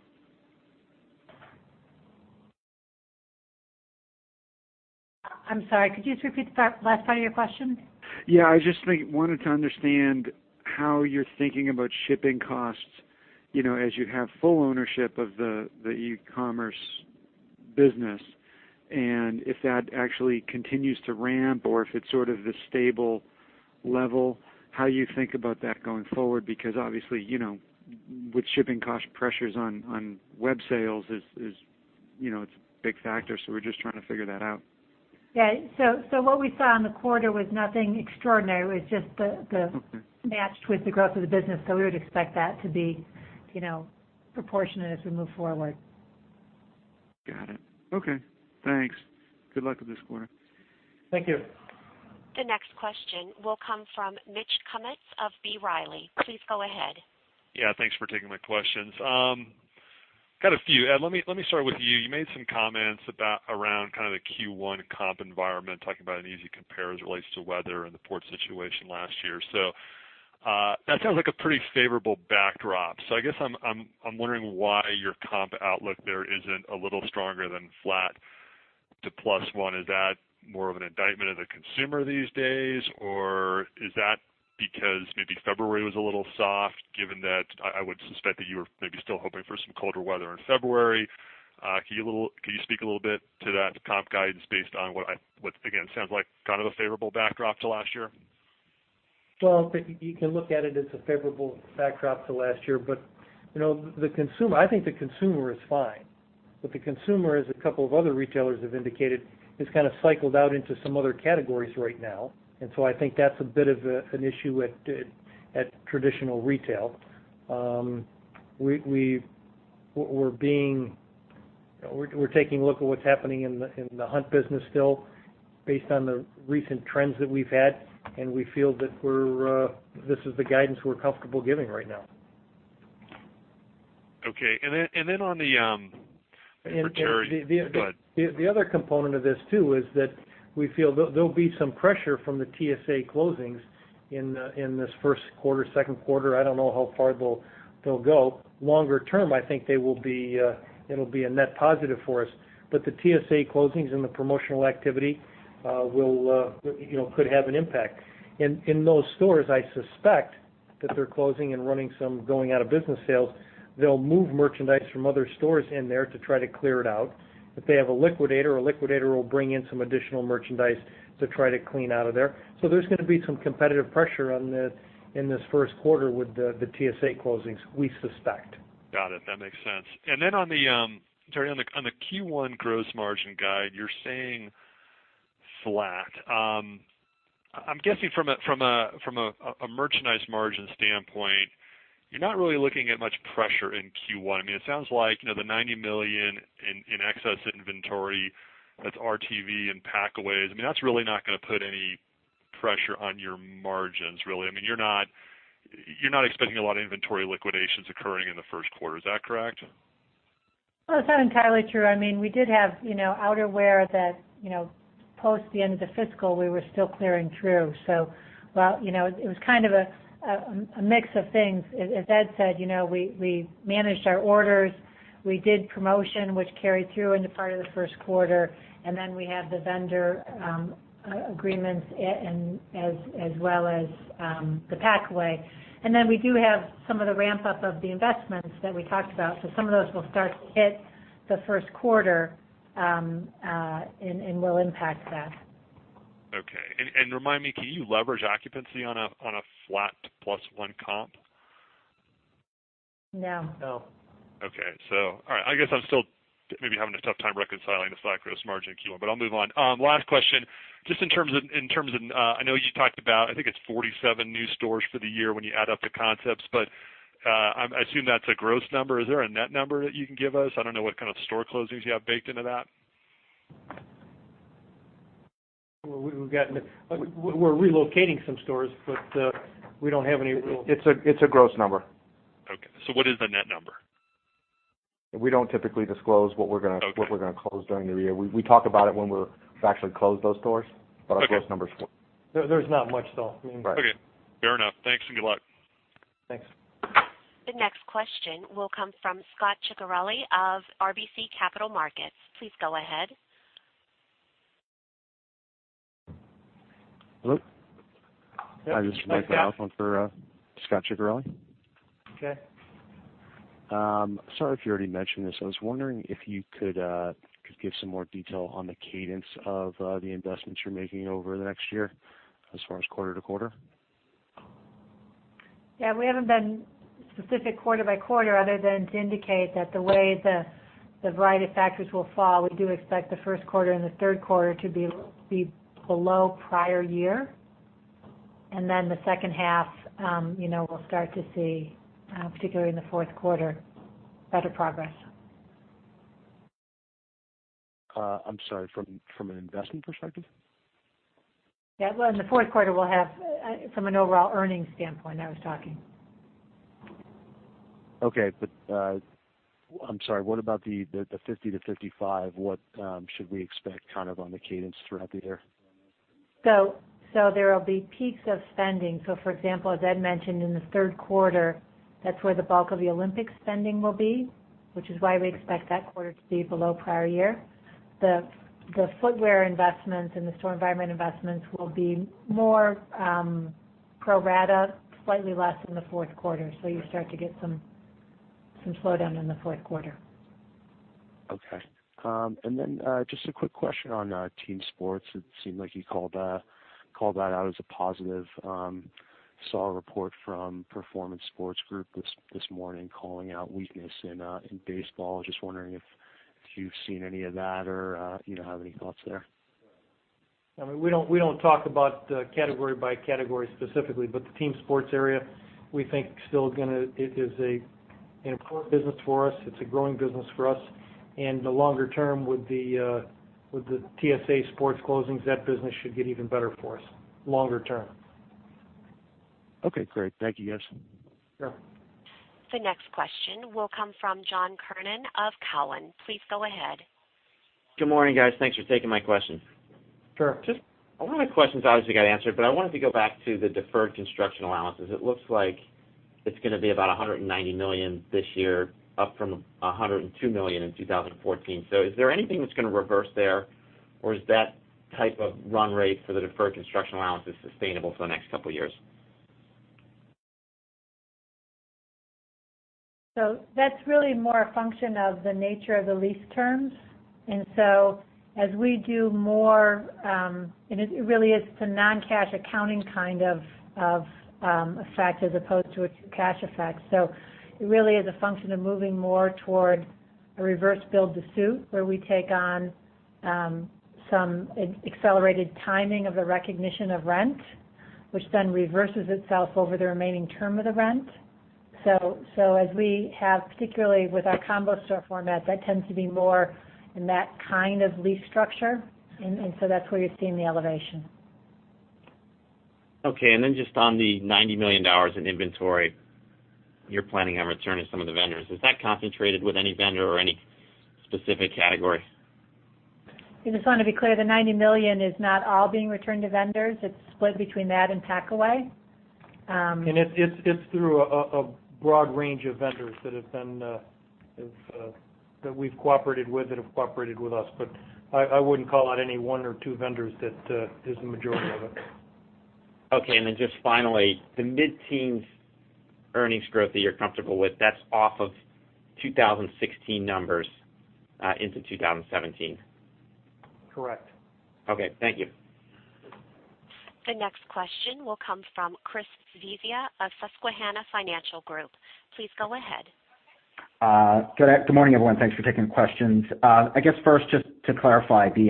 S4: I'm sorry. Could you just repeat the last part of your question?
S21: Yeah, I just wanted to understand how you're thinking about shipping costs, as you have full ownership of the e-commerce business, and if that actually continues to ramp or if it's sort of this stable level, how you think about that going forward. Because obviously, with shipping cost pressures on web sales, it's a big factor. We're just trying to figure that out.
S4: Yeah. What we saw in the quarter was nothing extraordinary. It was just matched with the growth of the business. We would expect that to be proportionate as we move forward.
S21: Got it. Okay, thanks. Good luck with this quarter.
S3: Thank you.
S1: The next question will come from Mitch Kummetz of B. Riley. Please go ahead.
S22: Yeah. Thanks for taking my questions. Got a few. Ed, let me start with you. You made some comments around kind of the Q1 comp environment, talking about an easy compare as it relates to weather and the port situation last year. That sounds like a pretty favorable backdrop. I guess I'm wondering why your comp outlook there isn't a little stronger than flat to plus one. Is that more of an indictment of the consumer these days, or is that because maybe February was a little soft, given that I would suspect that you were maybe still hoping for some colder weather in February? Can you speak a little bit to that comp guidance based on what, again, sounds like kind of a favorable backdrop to last year?
S3: Well, you can look at it as a favorable backdrop to last year, I think the consumer is fine. The consumer, as a couple of other retailers have indicated, has kind of cycled out into some other categories right now, I think that's a bit of an issue at traditional retail. We're taking a look at what's happening in the hunt business still based on the recent trends that we've had, and we feel that this is the guidance we're comfortable giving right now.
S22: Okay. Go ahead.
S3: The other component of this too is that we feel there'll be some pressure from the TSA closings in this first quarter, second quarter. I don't know how far they'll go. Longer term, I think it'll be a net positive for us. The TSA closings and the promotional activity could have an impact. In those stores, I suspect that they're closing and running some going-out-of-business sales. They'll move merchandise from other stores in there to try to clear it out. If they have a liquidator, a liquidator will bring in some additional merchandise to try to clean out of there. There's going to be some competitive pressure in this first quarter with the TSA closings, we suspect.
S22: Got it. That makes sense. Lee, on the Q1 gross margin guide, you're saying flat. I'm guessing from a merchandise margin standpoint, you're not really looking at much pressure in Q1. It sounds like, the $90 million in excess inventory, that's RTV and pack-aways. That's really not going to put any pressure on your margins, really. You're not expecting a lot of inventory liquidations occurring in the first quarter. Is that correct?
S4: Well, it's not entirely true. We did have outerwear that, post the end of the fiscal, we were still clearing through. It was a mix of things. As Ed said, we managed our orders. We did promotion, which carried through into part of the first quarter, and then we had the vendor agreements as well as the pack-away. We do have some of the ramp-up of the investments that we talked about. Some of those will start to hit the first quarter, and will impact that.
S22: Okay. Remind me, can you leverage occupancy on a flat plus one comp?
S4: No.
S3: No.
S22: Okay. All right. I guess I'm still maybe having a tough time reconciling the slack gross margin in Q1, but I'll move on. Last question, just in terms of, I know you talked about, I think it's 47 new stores for the year when you add up the concepts, but I assume that's a gross number. Is there a net number that you can give us? I don't know what kind of store closings you have baked into that.
S3: We're relocating some stores, but we don't have any real.
S4: It's a gross number.
S22: Okay. What is the net number?
S3: We don't typically disclose what we're.
S22: Okay
S3: We close during the year. We talk about it when we've actually closed those stores.
S22: Okay.
S3: Our gross number is.
S4: There's not much, though.
S3: Right.
S22: Okay. Fair enough. Thanks, and good luck.
S3: Thanks.
S1: The next question will come from Scot Ciccarelli of RBC Capital Markets. Please go ahead.
S23: Hello.
S3: Yep. Hi, Scot.
S23: Hi, this is Mike Palfen for Scot Ciccarelli.
S3: Okay.
S23: Sorry if you already mentioned this. I was wondering if you could give some more detail on the cadence of the investments you're making over the next year as far as quarter to quarter.
S4: Yeah, we haven't been specific quarter by quarter, other than to indicate that the way the variety factors will fall, we do expect the first quarter and the third quarter to be below prior year. Then the second half, we'll start to see, particularly in the fourth quarter, better progress.
S23: I'm sorry, from an investment perspective?
S4: Yeah. Well, in the fourth quarter, from an overall earnings standpoint, I was talking.
S23: I'm sorry, what about the 50 to 55? What should we expect on the cadence throughout the year on those?
S4: There will be peaks of spending. For example, as Ed mentioned, in the third quarter, that's where the bulk of the Olympic spending will be, which is why we expect that quarter to be below prior year. The footwear investments and the store environment investments will be more pro rata, slightly less in the fourth quarter. You start to get some slowdown in the fourth quarter.
S23: Okay. Just a quick question on team sports. It seemed like you called that out as a positive. Saw a report from Performance Sports Group this morning calling out weakness in baseball. Just wondering if you've seen any of that or have any thoughts there.
S3: We don't talk about category by category specifically, the team sports area, we think still is an important business for us. It's a growing business for us, and the longer term with The Sports Authority store closings, that business should get even better for us, longer term.
S23: Okay, great. Thank you, guys.
S3: Sure.
S1: The next question will come from John Kernan of Cowen. Please go ahead.
S24: Good morning, guys. Thanks for taking my question.
S3: Sure.
S24: A lot of my questions obviously got answered, but I wanted to go back to the deferred construction allowances. It looks like it's going to be about $190 million this year, up from $102 million in 2014. Is there anything that's going to reverse there, or is that type of run rate for the deferred construction allowances sustainable for the next couple of years?
S4: That's really more a function of the nature of the lease terms. As we do more, it really is a non-cash accounting kind of effect as opposed to a true cash effect. It really is a function of moving more toward a reverse build to suit, where we take on some accelerated timing of the recognition of rent, which then reverses itself over the remaining term of the rent. As we have, particularly with our combo store format, that tends to be more in that kind of lease structure. That's where you're seeing the elevation.
S24: Okay. Just on the $90 million in inventory you're planning on returning to some of the vendors, is that concentrated with any vendor or any specific category?
S4: I just want to be clear, the $90 million is not all being returned to vendors. It's split between that and pack-away.
S3: It's through a broad range of vendors that we've cooperated with, that have cooperated with us. I wouldn't call out any one or two vendors that is the majority of it.
S24: Okay, just finally, the mid-teens earnings growth that you're comfortable with, that's off of 2016 numbers into 2017.
S3: Correct.
S24: Okay. Thank you.
S1: The next question will come from Christopher Svezia of Susquehanna Financial Group. Please go ahead.
S25: Good morning, everyone. Thanks for taking the questions. I guess first, just to clarify the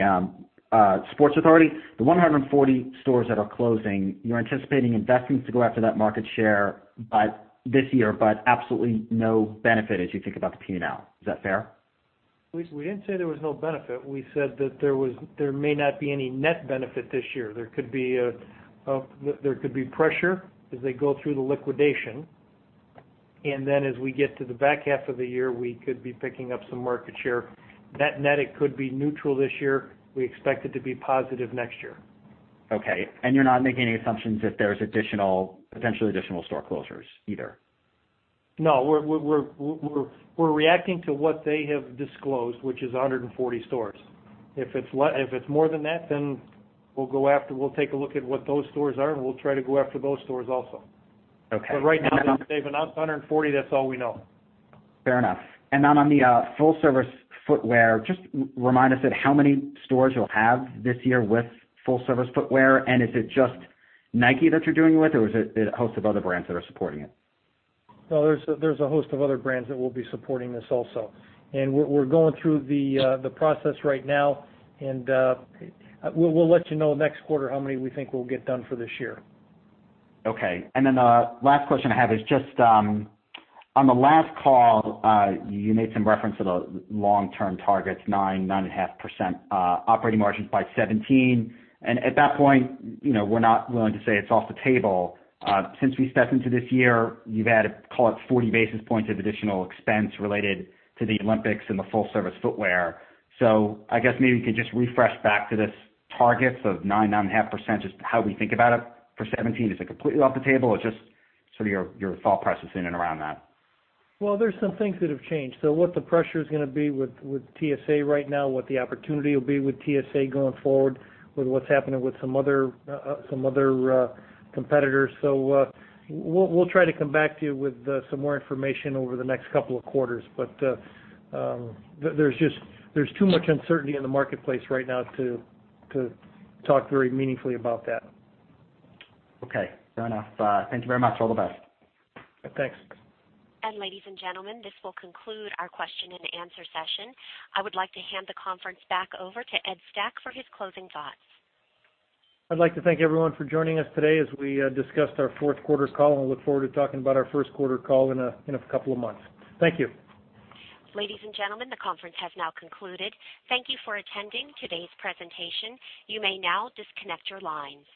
S25: Sports Authority, the 140 stores that are closing, you're anticipating investing to go after that market share by this year, absolutely no benefit as you think about the P&L. Is that fair?
S3: We didn't say there was no benefit. We said that there may not be any net benefit this year. There could be pressure as they go through the liquidation. Then as we get to the back half of the year, we could be picking up some market share. Net, it could be neutral this year. We expect it to be positive next year.
S25: Okay. You're not making any assumptions if there's potentially additional store closures either?
S3: No. We're reacting to what they have disclosed, which is 140 stores. If it's more than that, we'll take a look at what those stores are, we'll try to go after those stores also.
S25: Okay.
S3: Right now, they've announced 140. That's all we know.
S25: Fair enough. On the full service footwear, just remind us how many stores you'll have this year with full service footwear, and is it just Nike that you're doing with or is it a host of other brands that are supporting it?
S3: No, there's a host of other brands that will be supporting this also. We're going through the process right now, we'll let you know next quarter how many we think we'll get done for this year.
S25: Okay. The last question I have is just, on the last call, you made some reference to the long-term targets, 9%, 9.5% operating margins by 2017. At that point, we're not willing to say it's off the table. Since we stepped into this year, you've added, call it 40 basis points of additional expense related to the Olympics and the full service footwear. I guess maybe we could just refresh back to these targets of 9%, 9.5%, just how we think about it for 2017. Is it completely off the table, or just sort of your thought process in and around that?
S3: Well, there's some things that have changed. What the pressure's going to be with TSA right now, what the opportunity will be with TSA going forward, with what's happening with some other competitors. We'll try to come back to you with some more information over the next couple of quarters. There's too much uncertainty in the marketplace right now to talk very meaningfully about that.
S25: Okay. Fair enough. Thank you very much. All the best.
S3: Thanks.
S1: Ladies and gentlemen, this will conclude our question and answer session. I would like to hand the conference back over to Ed Stack for his closing thoughts.
S3: I'd like to thank everyone for joining us today as we discussed our fourth quarter call, and I look forward to talking about our first quarter call in a couple of months. Thank you.
S1: Ladies and gentlemen, the conference has now concluded. Thank you for attending today's presentation. You may now disconnect your lines.